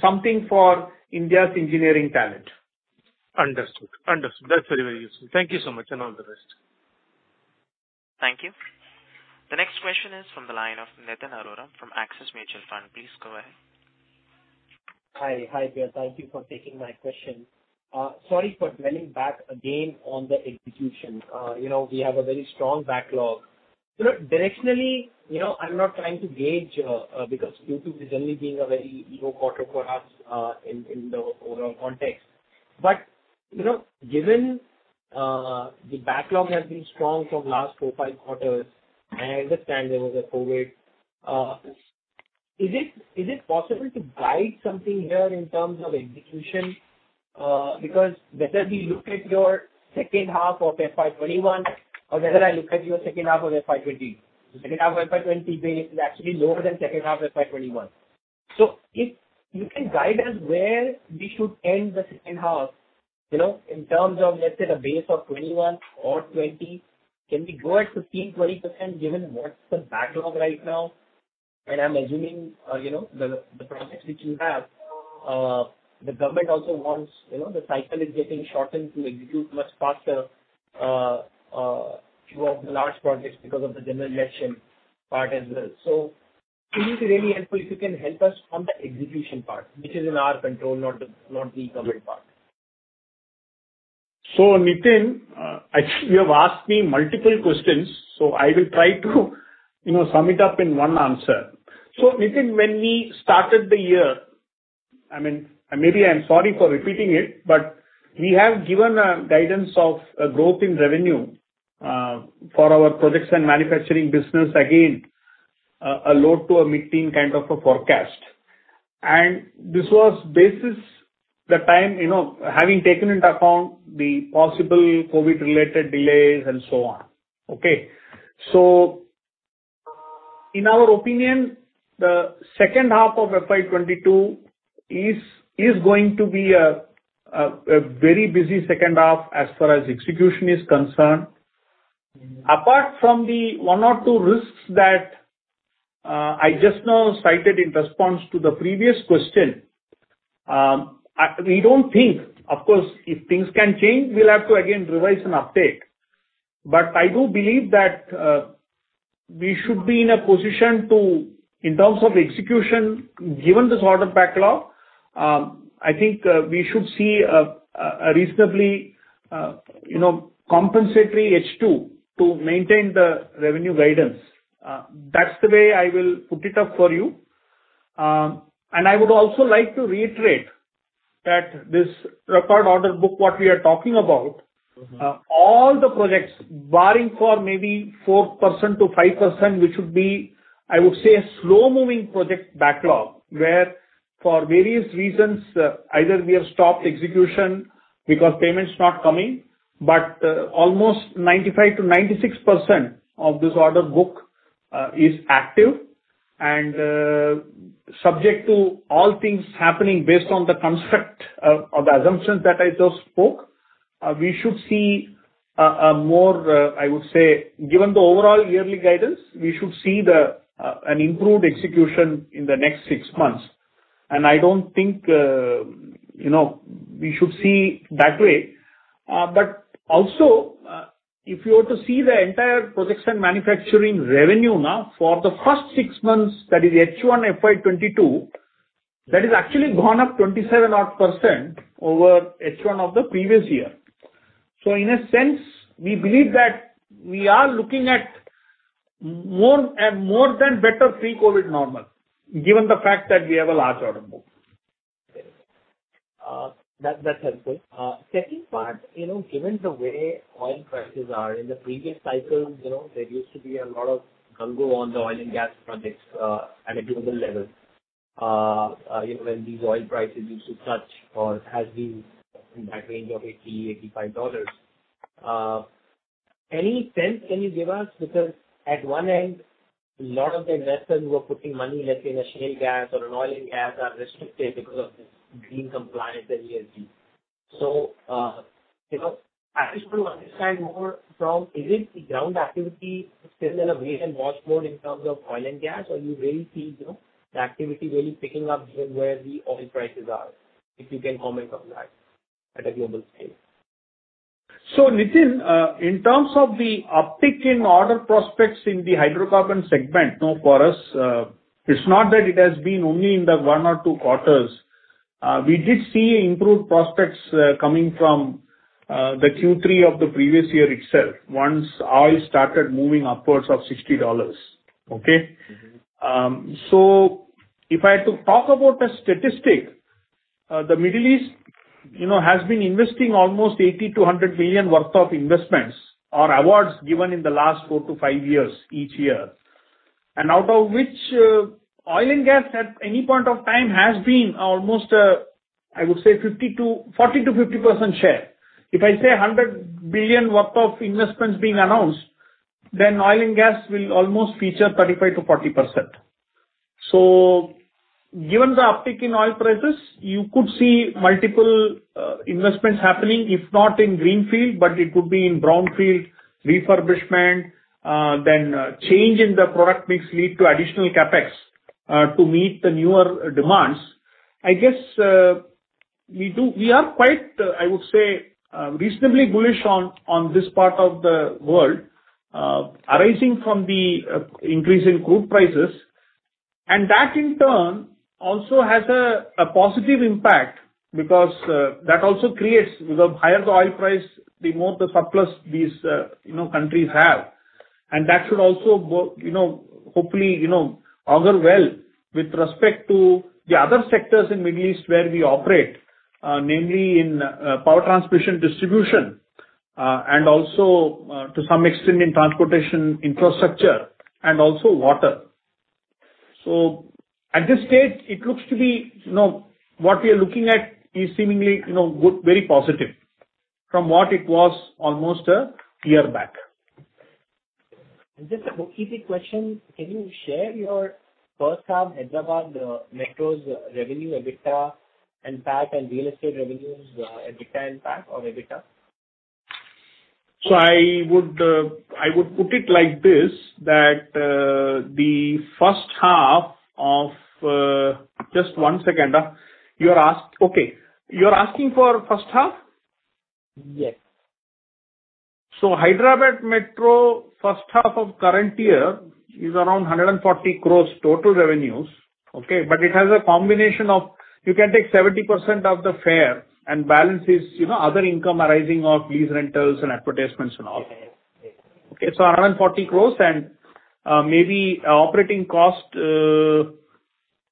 Speaker 2: something for India's engineering talent.
Speaker 7: Understood. That's very, very useful. Thank you so much and all the best.
Speaker 1: Thank you. The next question is from the line of Nitin Arora from Axis Mutual Fund. Please go ahead.
Speaker 8: Hi. Thank you for taking my question. Sorry for dwelling back again on the execution. You know, we have a very strong backlog. You know, directionally, you know, I'm not trying to gauge, because Q2 is only being a very low quarter for us, in the overall context. You know, given the backlog has been strong from last four, five quarters, I understand there was a COVID. Is it possible to guide something here in terms of execution? Because whether we look at your second half of FY 2021 or whether I look at your second half of FY 2020. The second half of FY 2020 base is actually lower than second half of FY 2021. If you can guide us where we should end the second half, you know, in terms of, let's say, the base of 2021 or 2020, can we go at 15%-20%, given what's the backlog right now? I'm assuming, you know, the projects which you have, the government also wants, you know, the cycle is getting shortened to execute much faster, few of the large projects because of the general election part as well. It will be really helpful if you can help us on the execution part, which is in our control, not the government part.
Speaker 2: Nitin, you have asked me multiple questions, so I will try to, you know, sum it up in one answer. Nitin, when we started the year, I mean, maybe I'm sorry for repeating it, but we have given a guidance of a growth in revenue for our projects and manufacturing business again, a low to mid-teens% kind of a forecast. This was basis the time, you know, having taken into account the possible COVID-related delays and so on. Okay. In our opinion, the second half of FY 2022 is going to be a very busy second half as far as execution is concerned. Apart from the one or two risks that I just now cited in response to the previous question, we don't think. Of course, if things can change, we'll have to again revise and update. I do believe that we should be in a position to, in terms of execution, given this order backlog, I think we should see a reasonably you know compensatory H2 to maintain the revenue guidance. That's the way I will put it up for you. I would also like to reiterate that this record order book, what we are talking about-
Speaker 8: Mm-hmm.
Speaker 2: All the projects barring for maybe 4%-5%, which would be, I would say, a slow-moving project backlog, where for various reasons, either we have stopped execution because payment's not coming. Almost 95%-96% of this order book is active, and subject to all things happening based on the construct of the assumptions that I just spoke, we should see a more, I would say, given the overall yearly guidance, we should see an improved execution in the next six months. I don't think, you know, we should see that way. But also, if you were to see the entire projects and manufacturing revenue now for the first six months, that is H1 FY 2022, that has actually gone up 27 odd % over H1 of the previous year. In a sense, we believe that we are looking at more than a better pre-COVID normal, given the fact that we have a large order book.
Speaker 8: Okay. That's helpful. Second part, you know, given the way oil prices are in the previous cycles, you know, there used to be a lot of gung-ho on the oil and gas projects at a global level. You know, when these oil prices used to touch or has been in that range of $80-$85. Any sense can you give us? Because at one end, a lot of the investors who are putting money, let's say, in a shale gas or an oil and gas are restricted because of this green compliance and ESG. You know, I just want to understand more on is it the on-ground activity still in a wait-and-watch mode in terms of oil and gas, or you really see, you know, the activity really picking up given where the oil prices are? If you can comment on that at a global scale?
Speaker 2: Nitin, in terms of the uptick in order prospects in the hydrocarbon segment, you know, for us, it's not that it has been only in the one or two quarters. We did see improved prospects, coming from, the Q3 of the previous year itself, once oil started moving upwards of $60. Okay?
Speaker 8: Mm-hmm.
Speaker 2: If I had to talk about a statistic, the Middle East, you know, has been investing almost $80 billion-$100 billion worth of investments or awards given in the last 4-5 years, each year. Out of which, oil and gas at any point of time has been almost, I would say 40%-50% share. If I say $100 billion worth of investments being announced, then oil and gas will almost feature 35%-40%. Given the uptick in oil prices, you could see multiple investments happening, if not in greenfield, but it could be in brownfield refurbishment. Change in the product mix lead to additional CapEx to meet the newer demands. I guess we are quite, I would say, reasonably bullish on this part of the world arising from the increase in crude prices. That in turn also has a positive impact because higher the oil price, the more the surplus these countries have. That should also, you know, hopefully, you know, augur well with respect to the other sectors in Middle East where we operate mainly in power transmission & distribution and also to some extent in transportation infrastructure and also water. At this stage it looks to be, you know, what we are looking at is seemingly, you know, good, very positive from what it was almost a year back.
Speaker 8: Just a bookkeeping question. Can you share your first half Hyderabad Metro's revenue, EBITDA and PAT, and real estate revenues, EBITDA and PAT or EBITDA?
Speaker 2: I would put it like this, that the first half of. Just one second. Okay. You're asking for first half?
Speaker 8: Yes.
Speaker 2: Hyderabad Metro first half of current year is around 140 crore total revenues. Okay? It has a combination of you can take 70% of the fare and balance is, you know, other income arising from lease rentals and advertisements and all. Okay. 140 crore and maybe operating cost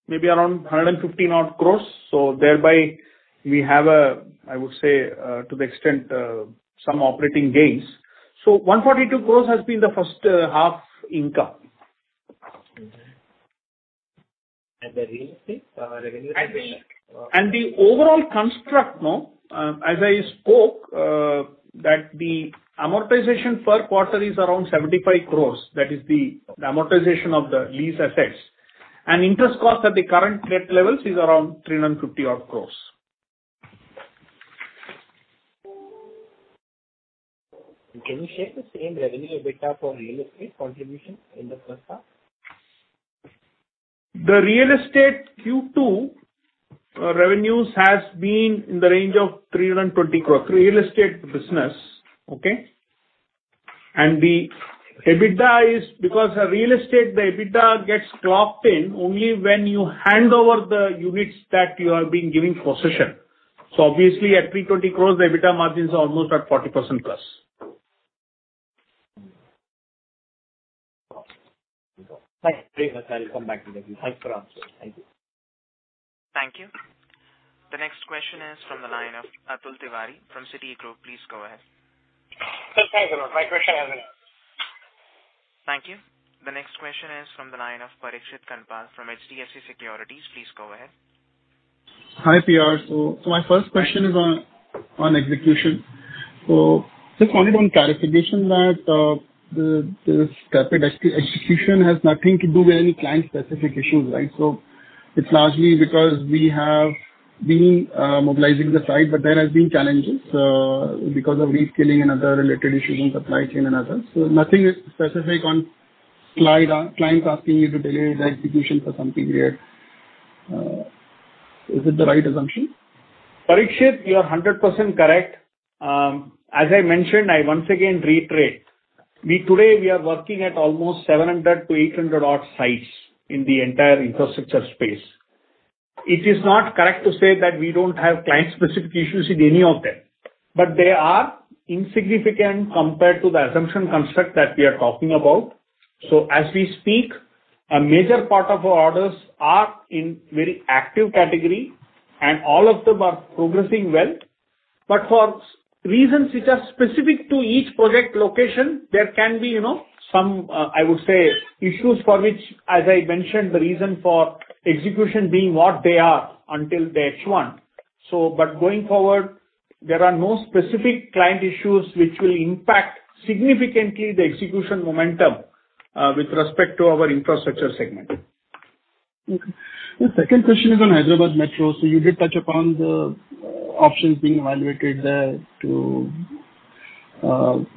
Speaker 2: maybe around 150-odd crore. Thereby we have a I would say to the extent some operating gains. 142 crore has been the first half income.
Speaker 8: Okay. The real estate revenue
Speaker 2: The overall construct now, as I spoke, that the amortization per quarter is around 75 crores. That is the amortization of the lease assets. Interest cost at the current rate levels is around 350-odd crores.
Speaker 8: Can you share the same revenue, EBITDA for real estate contribution in the first half?
Speaker 2: The real estate Q2 revenues has been in the range of 320 crore, real estate business. Okay. The EBITDA is because real estate, the EBITDA gets clocked in only when you hand over the units that you have been giving possession. Obviously at 320 crore, the EBITDA margin is almost at 40%+.
Speaker 8: Awesome. Thank you very much. I will come back to that. Thanks for answering. Thank you.
Speaker 1: Thank you. The next question is from the line of Atul Tiwari from Citigroup. Please go ahead.
Speaker 9: My question has been.
Speaker 1: Thank you. The next question is from the line of Parikshit Kandpal from HDFC Securities. Please go ahead.
Speaker 10: Hi, PR. My first question is on execution. Just wanted one clarification that the stepped execution has nothing to do with any client-specific issues, right? It's largely because we have been mobilizing the site, but there has been challenges because of reskilling and other related issues in supply chain and other. Nothing specific on-site, clients asking you to delay the execution for something there. Is it the right assumption?
Speaker 2: Parikshit, you are 100% correct. As I mentioned, I once again reiterate, we today are working at almost 700 to 800-odd sites in the entire infrastructure space. It is not correct to say that we don't have client specific issues in any of them, but they are insignificant compared to the assumption construct that we are talking about. As we speak, a major part of our orders are in very active category, and all of them are progressing well. For reasons which are specific to each project location, there can be, you know, some, I would say, issues for which, as I mentioned, the reason for execution being what they are until they H1. Going forward, there are no specific client issues which will impact significantly the execution momentum, with respect to our infrastructure segment.
Speaker 10: Okay. The second question is on Hyderabad Metro. You did touch upon the options being evaluated there to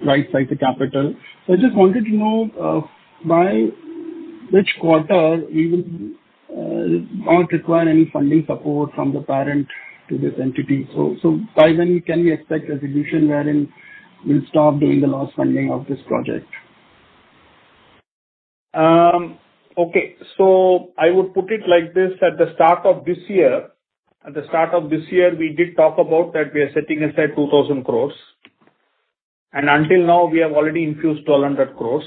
Speaker 10: right-size the capital. I just wanted to know by which quarter you will not require any funding support from the parent to this entity. By when can we expect resolution wherein we'll stop doing the last funding of this project?
Speaker 2: I would put it like this. At the start of this year, we did talk about that we are setting aside 2,000 crore. Until now we have already infused 1,200 crore.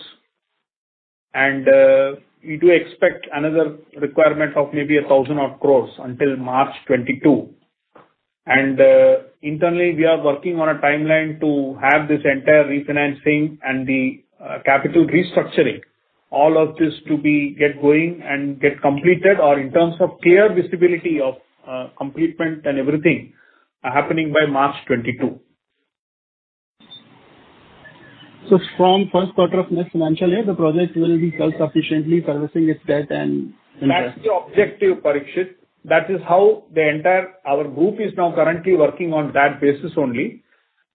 Speaker 2: We do expect another requirement of maybe 1,000-odd crore until March 2022. Internally, we are working on a timeline to have this entire refinancing and the capital restructuring, all of this to get going and get completed or in terms of clear visibility of completion and everything happening by March 2022.
Speaker 10: From first quarter of next financial year, the project will be self-sufficiently servicing its debt and interest.
Speaker 2: That's the objective, Parikshit. That is how the entire our group is now currently working on that basis only.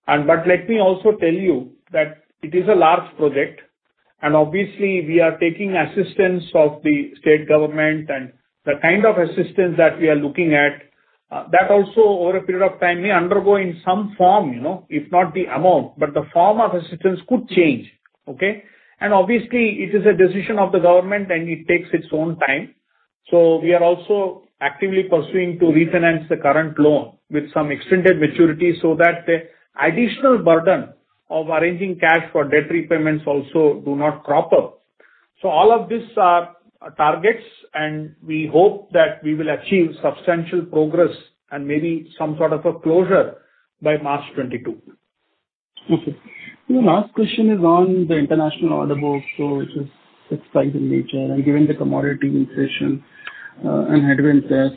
Speaker 2: But let me also tell you that it is a large project and obviously we are taking assistance of the state government and the kind of assistance that we are looking at, that also over a period of time may undergo in some form, you know, if not the amount, but the form of assistance could change. Okay. Obviously it is a decision of the government, and it takes its own time. We are also actively pursuing to refinance the current loan with some extended maturity so that the additional burden of arranging cash for debt repayments also do not crop up. All of these are targets, and we hope that we will achieve substantial progress and maybe some sort of a closure by March 2022.
Speaker 10: Okay. The last question is on the international order book. It is fixed price in nature and given the commodity inflation and headwinds there.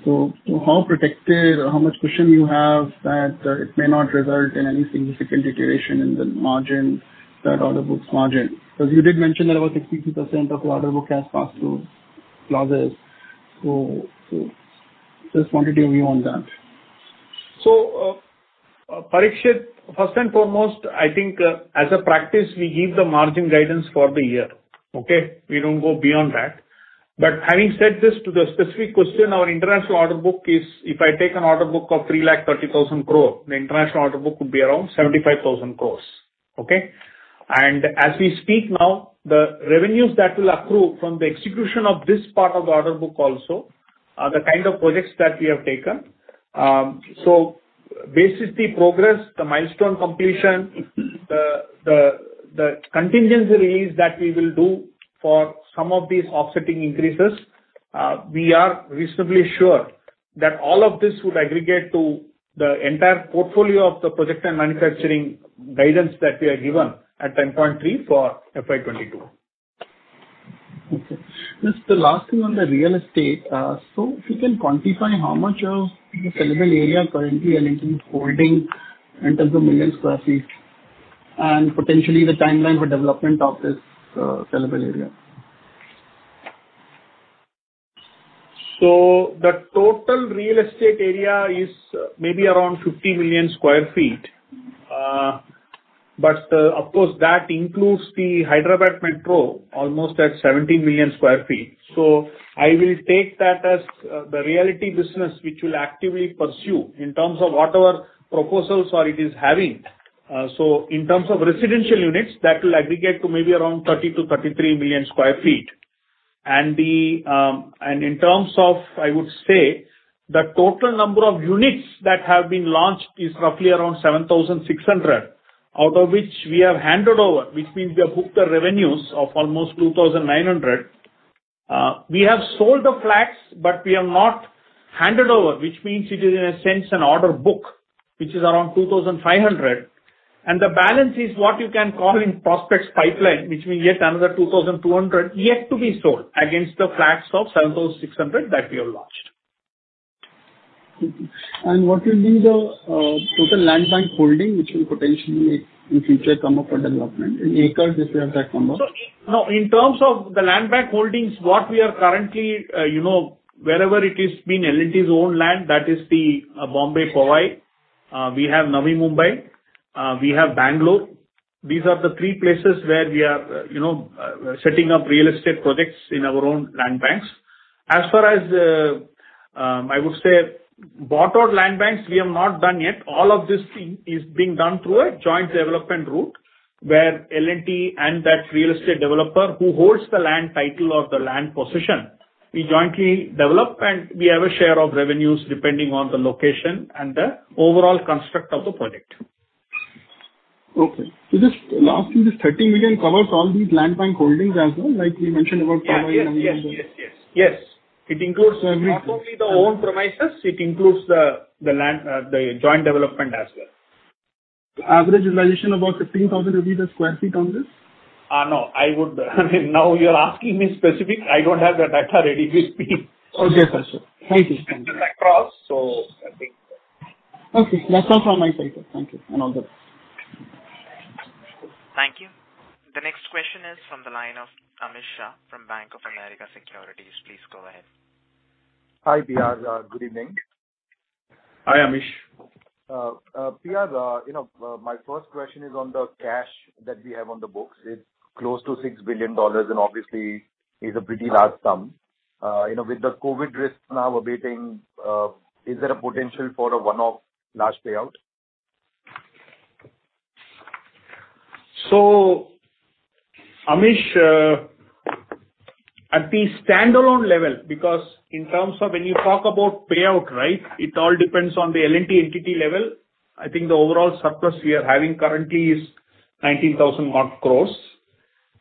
Speaker 10: How protected or how much cushion you have that it may not result in any significant deterioration in the margin, that order book's margin? Because you did mention that about 62% of the order book has passed through clauses. Just wanted your view on that.
Speaker 2: Parikshit, first and foremost, I think, as a practice, we give the margin guidance for the year. Okay? We don't go beyond that. Having said this, to the specific question, our international order book is, if I take an order book of 3,30,000 crore, the international order book would be around 75,000 crore. Okay? And as we speak now, the revenues that will accrue from the execution of this part of the order book also are the kind of projects that we have taken. Based on the progress, the milestone completion, the contingency release that we will do for some of these offsetting increases, we are reasonably sure that all of this would aggregate to the entire portfolio of the project and manufacturing guidance that we have given at 10.3% for FY 2022.
Speaker 10: Okay. Just the last thing on the real estate. If you can quantify how much of the sellable area currently L&T is holding in terms of million sq ft, and potentially the timeline for development of this sellable area.
Speaker 2: The total real estate area is maybe around 50 million sq ft. Of course, that includes the Hyderabad Metro almost at 17 million sq ft. I will take that as the realty business which will actively pursue in terms of whatever proposals or it is having. In terms of residential units, that will aggregate to maybe around 30-33 million sq ft. In terms of, I would say, the total number of units that have been launched is roughly around 7,600, out of which we have handed over, which means we have booked the revenues of almost 2,900. We have sold the flats, but we have not handed over, which means it is in a sense an order book, which is around 2,500. The balance is what you can call in prospects pipeline, which means yet another 2,200 yet to be sold against the flats of 7,600 that we have launched.
Speaker 10: Okay. What will be the total land bank holding, which will potentially in future come up for development in acres, if you have that number?
Speaker 2: In terms of the land bank holdings, what we are currently, you know, wherever it has been L&T's own land, that is the Bombay Powai. We have Navi Mumbai. We have Bangalore. These are the three places where we are, you know, setting up real estate projects in our own land banks. As far as, I would say bought out land banks, we have not done yet. All of this thing is being done through a joint development route, where L&T and that real estate developer who holds the land title or the land position, we jointly develop, and we have a share of revenues depending on the location and the overall construct of the project.
Speaker 10: Okay. Just last thing, this 30 million covers all these land bank holdings as well, like we mentioned about Powai and-
Speaker 2: Yes. It includes.
Speaker 10: Everything.
Speaker 2: Not only the owned premises, it includes the land, the joint development as well.
Speaker 10: Average realization about 15,000 rupees per sq ft on this?
Speaker 2: No. You are asking me specifics. I don't have that data ready with me.
Speaker 10: Okay. That's all. Thank you.
Speaker 2: I think.
Speaker 10: Okay. That's all from my side, sir. Thank you and all the best.
Speaker 1: Thank you. The next question is from the line of Amish Shah from Bank of America Securities. Please go ahead.
Speaker 11: Hi, PR. Good evening.
Speaker 2: Hi, Amish.
Speaker 11: PR, you know, my first question is on the cash that we have on the books. It's close to $6 billion, and obviously is a pretty large sum. You know, with the COVID risk now abating, is there a potential for a one-off large payout?
Speaker 2: Amish, at the standalone level, because in terms of when you talk about payout, right, it all depends on the L&T entity level. I think the overall surplus we are having currently is 19,000 crore.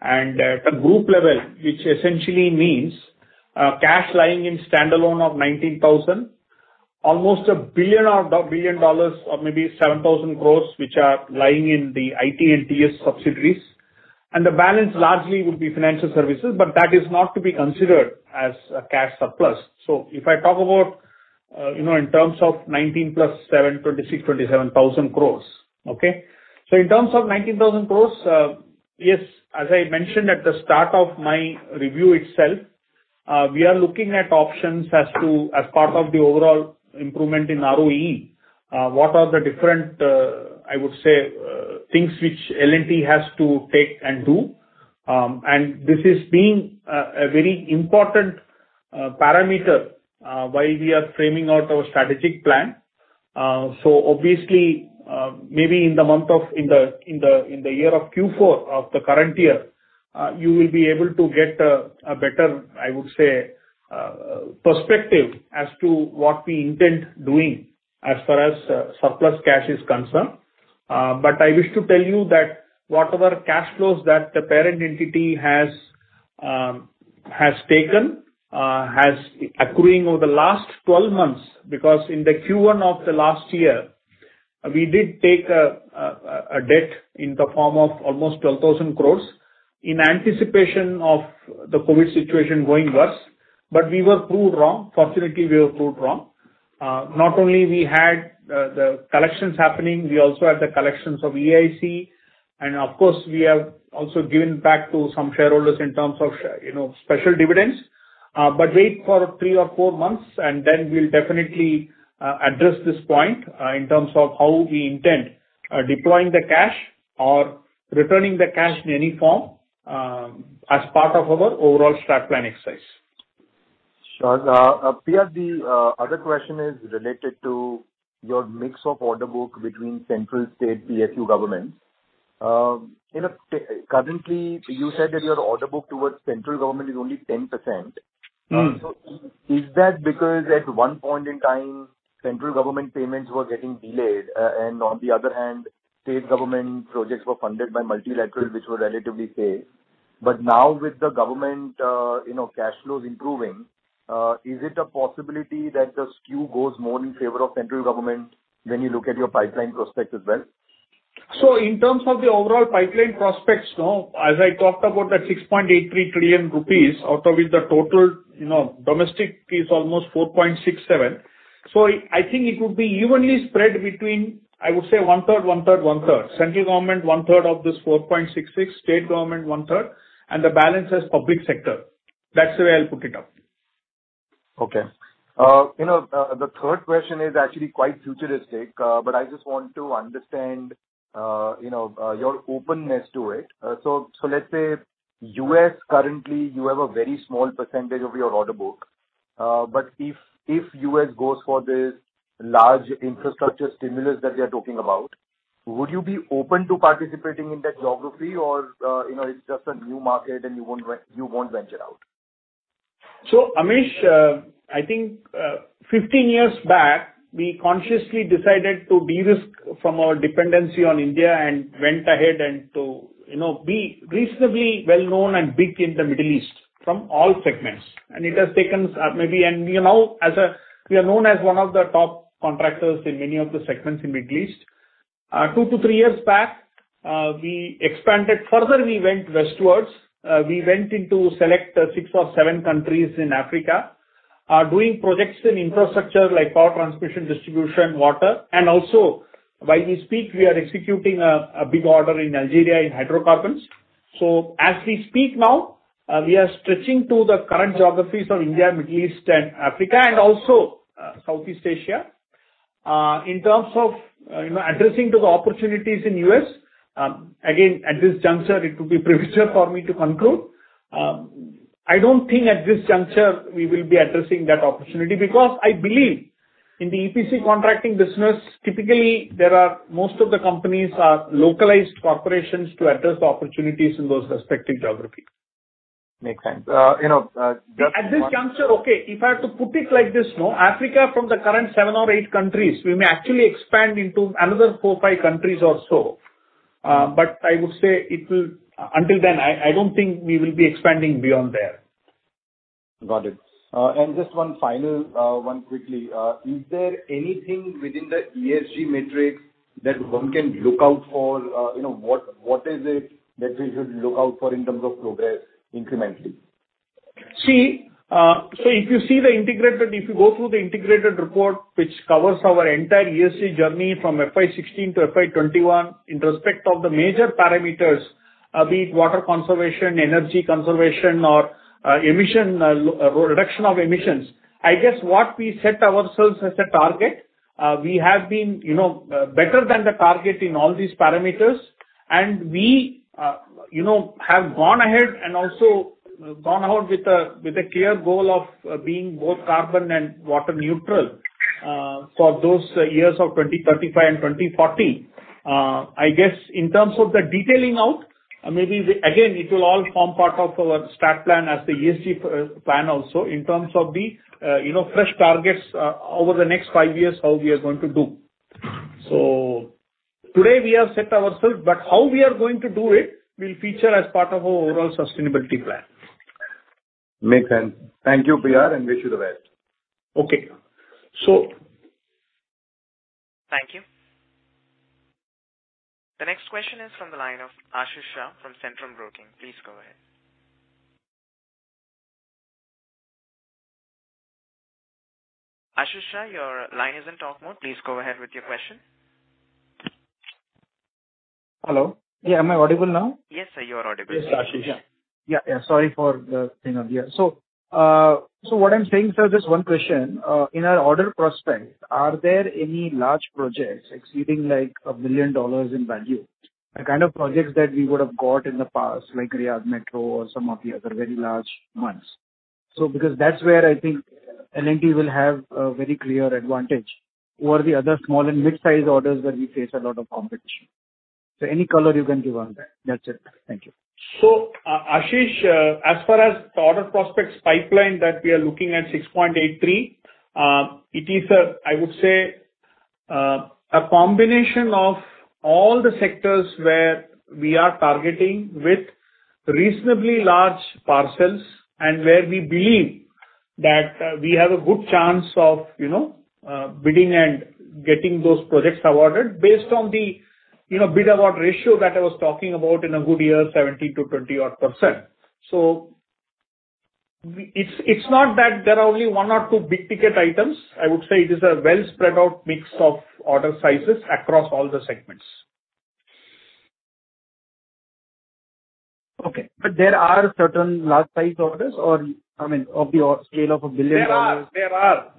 Speaker 2: At the group level, which essentially means, cash lying in standalone of 19,000, almost $1 billion or billion dollars or maybe 7,000 crore, which are lying in the IT and TS subsidiaries. The balance largely would be financial services, but that is not to be considered as a cash surplus. If I talk about, you know, in terms of 19 + 7, 26,000-27,000 crore. Okay? In terms of 19,000 crore, yes, as I mentioned at the start of my review itself, we are looking at options as part of the overall improvement in ROE, what are the different, I would say, things which L&T has to take and do. This being a very important parameter why we are framing out our strategic plan. Obviously, maybe in the year of Q4 of the current year, you will be able to get a better, I would say, perspective as to what we intend doing as far as surplus cash is concerned. I wish to tell you that whatever cash flows that the parent entity has accruing over the last 12 months, because in the Q1 of the last year, we did take a debt in the form of almost 12,000 crores in anticipation of the COVID situation going worse. We were proved wrong. Fortunately, we were proved wrong. Not only we had the collections happening, we also had the collections of EIC. Of course, we have also given back to some shareholders in terms of, you know, special dividends. Wait for three or four months, and then we'll definitely address this point in terms of how we intend deploying the cash or returning the cash in any form, as part of our overall strategic plan exercise.
Speaker 11: Sure. PR, the other question is related to your mix of order book between central state PSU government. Currently you said that your order book towards central government is only 10%.
Speaker 2: Mm-hmm.
Speaker 11: Is that because at one point in time, central government payments were getting delayed, and on the other hand, state government projects were funded by multilateral, which were relatively safe. Now with the government, you know, cash flows improving, is it a possibility that the skew goes more in favor of central government when you look at your pipeline prospects as well?
Speaker 2: In terms of the overall pipeline prospects, no. As I talked about that 6.83 trillion rupees, out of which the total, you know, domestic is almost 4.67 trillion. I think it would be evenly spread between, I would say one-third, one-third, one-third. Central government, one-third of this 4.66 trillion, state government, one-third, and the balance is public sector. That's the way I'll put it up.
Speaker 11: Okay. You know, the third question is actually quite futuristic, but I just want to understand your openness to it. Let's say U.S. currently you have a very small percentage of your order book. But if U.S. goes for this large infrastructure stimulus that we are talking about, would you be open to participating in that geography or, you know, it's just a new market and you won't venture out?
Speaker 2: Amish, I think fifteen years back, we consciously decided to de-risk from our dependency on India and went ahead and, you know, to be reasonably well-known and big in the Middle East from all segments. It has taken us maybe. You know, as we are known as one of the top contractors in many of the segments in Middle East. Two to three years back, we expanded. Further, we went westwards. We went into select six or seven countries in Africa, doing projects in infrastructure like power transmission, distribution, water. Also while we speak, we are executing a big order in Algeria in hydrocarbons. As we speak now, we are stretching to the current geographies of India, Middle East and Africa and also Southeast Asia. In terms of, you know, addressing to the opportunities in U.S., again, at this juncture, it would be premature for me to conclude. I don't think at this juncture we will be addressing that opportunity because I believe in the EPC contracting business, typically there are most of the companies are localized corporations to address the opportunities in those respective geographies.
Speaker 11: Makes sense. You know, just one.
Speaker 2: At this juncture, okay, if I have to put it like this, no. In Africa from the current seven or eight countries, we may actually expand into another four or five countries or so. I would say until then, I don't think we will be expanding beyond there.
Speaker 11: Got it. Just one final quickly. Is there anything within the ESG matrix that one can look out for? You know, what is it that we should look out for in terms of progress incrementally?
Speaker 2: If you go through the integrated report, which covers our entire ESG journey from FY 2016 to FY 2021 in respect of the major parameters, be it water conservation, energy conservation or emissions reduction. I guess what we set ourselves as a target, we have been, you know, better than the target in all these parameters. We, you know, have gone ahead with a clear goal of being both carbon and water neutral for 2035 and 2040. I guess in terms of the detailing out, maybe the, again, it will all form part of our strategic plan as the ESG plan also in terms of the, you know, fresh targets over the next five years, how we are going to do. Today we have set ourselves, but how we are going to do it will feature as part of our overall sustainability plan.
Speaker 11: Makes sense. Thank you, PR, and wish you the best.
Speaker 2: Okay.
Speaker 1: Thank you. The next question is from the line of Ashish Shah from Centrum Broking. Please go ahead. Ashish Shah, your line is in talk mode. Please go ahead with your question.
Speaker 12: Hello. Yeah, am I audible now?
Speaker 1: Yes, sir, you are audible.
Speaker 2: Yes, Ashish.
Speaker 12: Yeah, yeah. Sorry for the thing up here. What I'm saying, sir, just one question. In our order prospect, are there any large projects exceeding like $1 million in value? The kind of projects that we would have got in the past, like Riyadh Metro or some of the other very large ones. Because that's where I think L&T will have a very clear advantage over the other small and midsize orders where we face a lot of competition. Any color you can give on that? That's it. Thank you.
Speaker 2: Ashish, as far as the order prospects pipeline that we are looking at 6.83, it is, I would say, a combination of all the sectors where we are targeting with reasonably large parcels and where we believe that we have a good chance of, you know, bidding and getting those projects awarded based on the, you know, bid award ratio that I was talking about in a good year, 70%-20%-odd. It's not that there are only one or two big-ticket items. I would say it is a well spread out mix of order sizes across all the segments.
Speaker 12: Okay. There are certain large size orders or, I mean, of the order scale of $1 billion.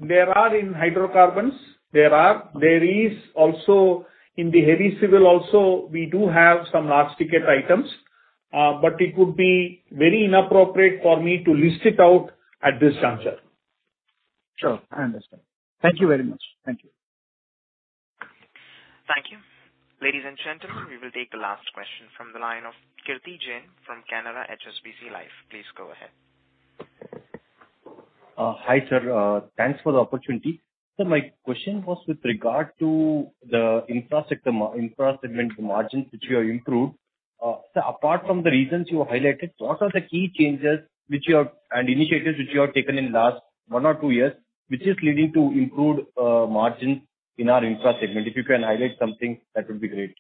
Speaker 2: There are in hydrocarbons. There is also in the heavy civil, we do have some large ticket items. But it would be very inappropriate for me to list it out at this juncture.
Speaker 12: Sure, I understand. Thank you very much.
Speaker 2: Thank you.
Speaker 1: Thank you. Ladies and gentlemen, we will take the last question from the line of Kirti Jain from Canara HSBC Life. Please go ahead.
Speaker 13: Hi, sir. Thanks for the opportunity. My question was with regard to the infra segment margins which you have improved. Apart from the reasons you highlighted, what are the key changes which you have and initiatives which you have taken in last one or two years, which is leading to improved margin in our infra segment? If you can highlight something, that would be great.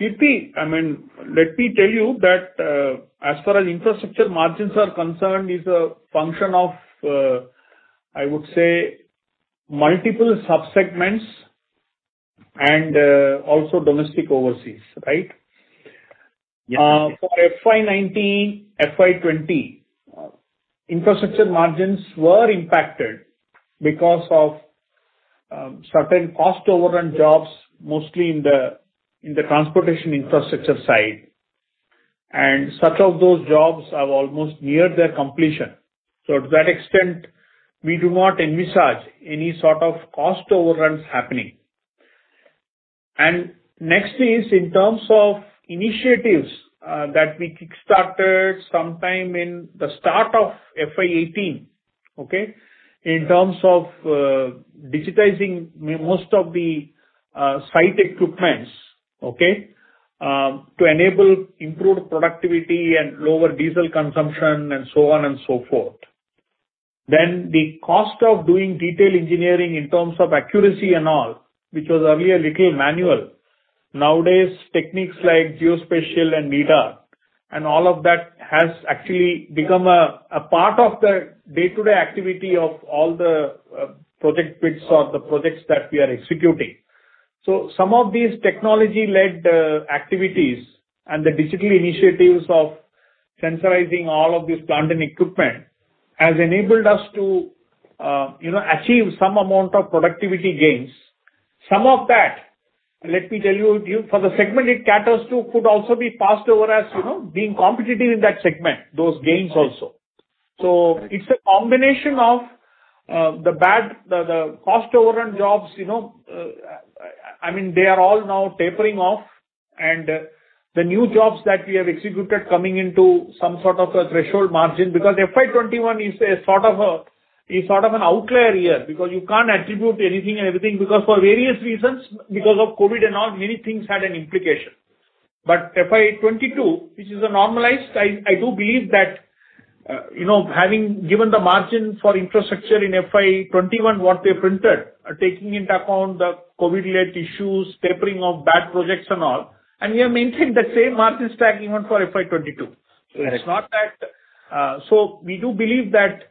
Speaker 2: Kirti, I mean, let me tell you that, as far as infrastructure margins are concerned, is a function of, I would say multiple subsegments and, also domestic overseas, right?
Speaker 13: Yeah.
Speaker 2: For FY 2019, FY 2020, infrastructure margins were impacted because of certain cost overrun jobs, mostly in the transportation infrastructure side. Such of those jobs are almost near their completion. To that extent, we do not envisage any sort of cost overruns happening. Next is in terms of initiatives that we kick-started sometime in the start of FY 2018, okay? In terms of digitizing most of the site equipments, okay? To enable improved productivity and lower diesel consumption and so on and so forth. The cost of doing detail engineering in terms of accuracy and all, which was earlier little manual. Nowadays, techniques like geospatial and meter and all of that has actually become a part of the day-to-day activity of all the project bids or the projects that we are executing. Some of these technology-led activities and the digital initiatives of centralizing all of this plant and equipment has enabled us to, you know, achieve some amount of productivity gains. Some of that, let me tell you, for the segment it caters to could also be passed on as, you know, being competitive in that segment, those gains also.
Speaker 13: Right.
Speaker 2: It's a combination of the bad, the cost overrun jobs, you know, I mean, they are all now tapering off. The new jobs that we have executed coming into some sort of a threshold margin. FY 2021 is sort of an outlier year because you can't attribute anything and everything because for various reasons, because of COVID and all, many things had an implication. FY 2022, which is a normalized, I do believe that, you know, having given the margin for infrastructure in FY 2021, what they printed, taking into account the COVID-led issues, tapering of bad projects and all, and we have maintained the same margin stack even for FY 2022.
Speaker 13: Correct.
Speaker 2: We do believe that,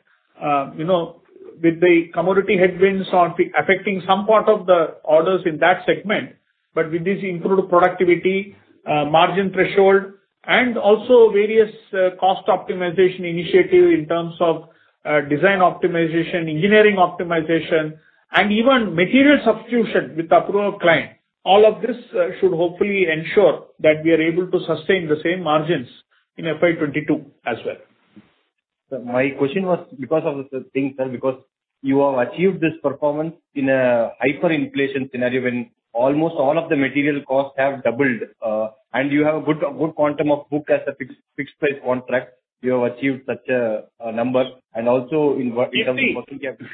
Speaker 2: you know, with the commodity headwinds on affecting some part of the orders in that segment, but with this improved productivity, margin threshold and also various cost optimization initiative in terms of design optimization, engineering optimization, and even material substitution with approval of client, all of this should hopefully ensure that we are able to sustain the same margins in FY 2022 as well.
Speaker 13: My question was because of the things, because you have achieved this performance in a hyperinflation scenario when almost all of the material costs have doubled, and you have a good quantum of book as a fixed price contract, you have achieved such a number. And also in terms of working capital.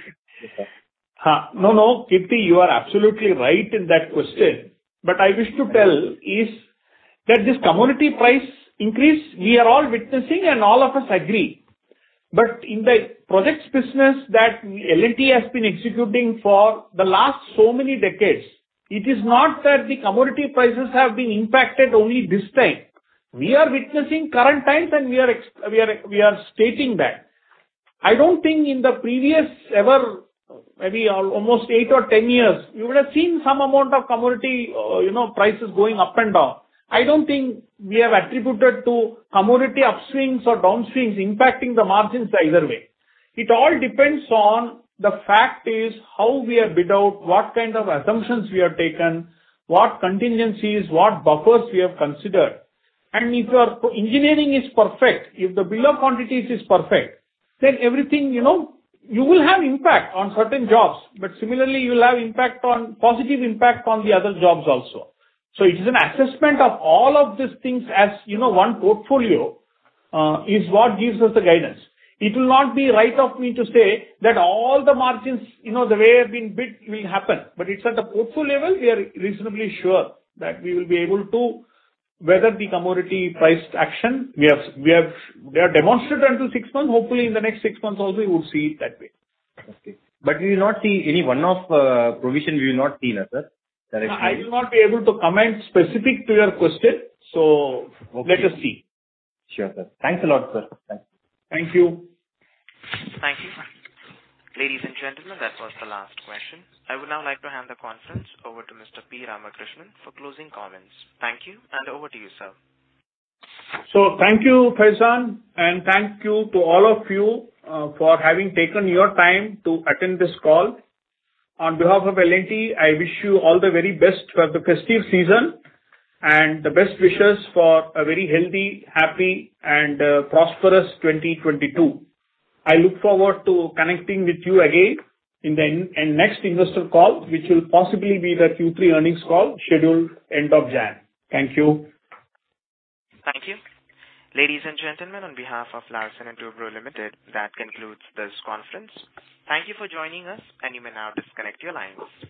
Speaker 2: No, no, Kirti, you are absolutely right in that question. I wish to tell is that this commodity price increase we are all witnessing and all of us agree. In the projects business that L&T has been executing for the last so many decades, it is not that the commodity prices have been impacted only this time. We are witnessing current times and we are stating that. I don't think in the previous ever, maybe almost 8 or 10 years, you would have seen some amount of commodity prices going up and down. I don't think we have attributed to commodity upswings or downswings impacting the margins either way. It all depends on the fact is how we are bid out, what kind of assumptions we have taken, what contingencies, what buffers we have considered. If your engineering is perfect, if the bill of quantities is perfect, then everything, you know, you will have impact on certain jobs, but similarly you will have impact on, positive impact on the other jobs also. It is an assessment of all of these things as, you know, one portfolio is what gives us the guidance. It will not be right of me to say that all the margins, you know, the way I've been bid will happen, but it's at the portfolio level, we are reasonably sure that we will be able to weather the commodity price action. We have demonstrated until six months. Hopefully in the next six months also you would see it that way.
Speaker 13: Okay. We will not see any one-off provision now, sir? Correct me.
Speaker 2: I will not be able to comment specifically to your question. Let us see.
Speaker 13: Sure, sir. Thanks a lot, sir. Thanks.
Speaker 2: Thank you.
Speaker 1: Thank you. Ladies and gentlemen, that was the last question. I would now like to hand the conference over to Mr. P. Ramakrishnan for closing comments. Thank you, and over to you, sir.
Speaker 2: Thank you, Faizan, and thank you to all of you for having taken your time to attend this call. On behalf of L&T, I wish you all the very best for the festive season and the best wishes for a very healthy, happy and prosperous 2022. I look forward to connecting with you again in the next investor call, which will possibly be the Q3 earnings call scheduled end of January. Thank you.
Speaker 1: Thank you. Ladies and gentlemen, on behalf of Larsen & Toubro Limited, that concludes this conference. Thank you for joining us, and you may now disconnect your lines.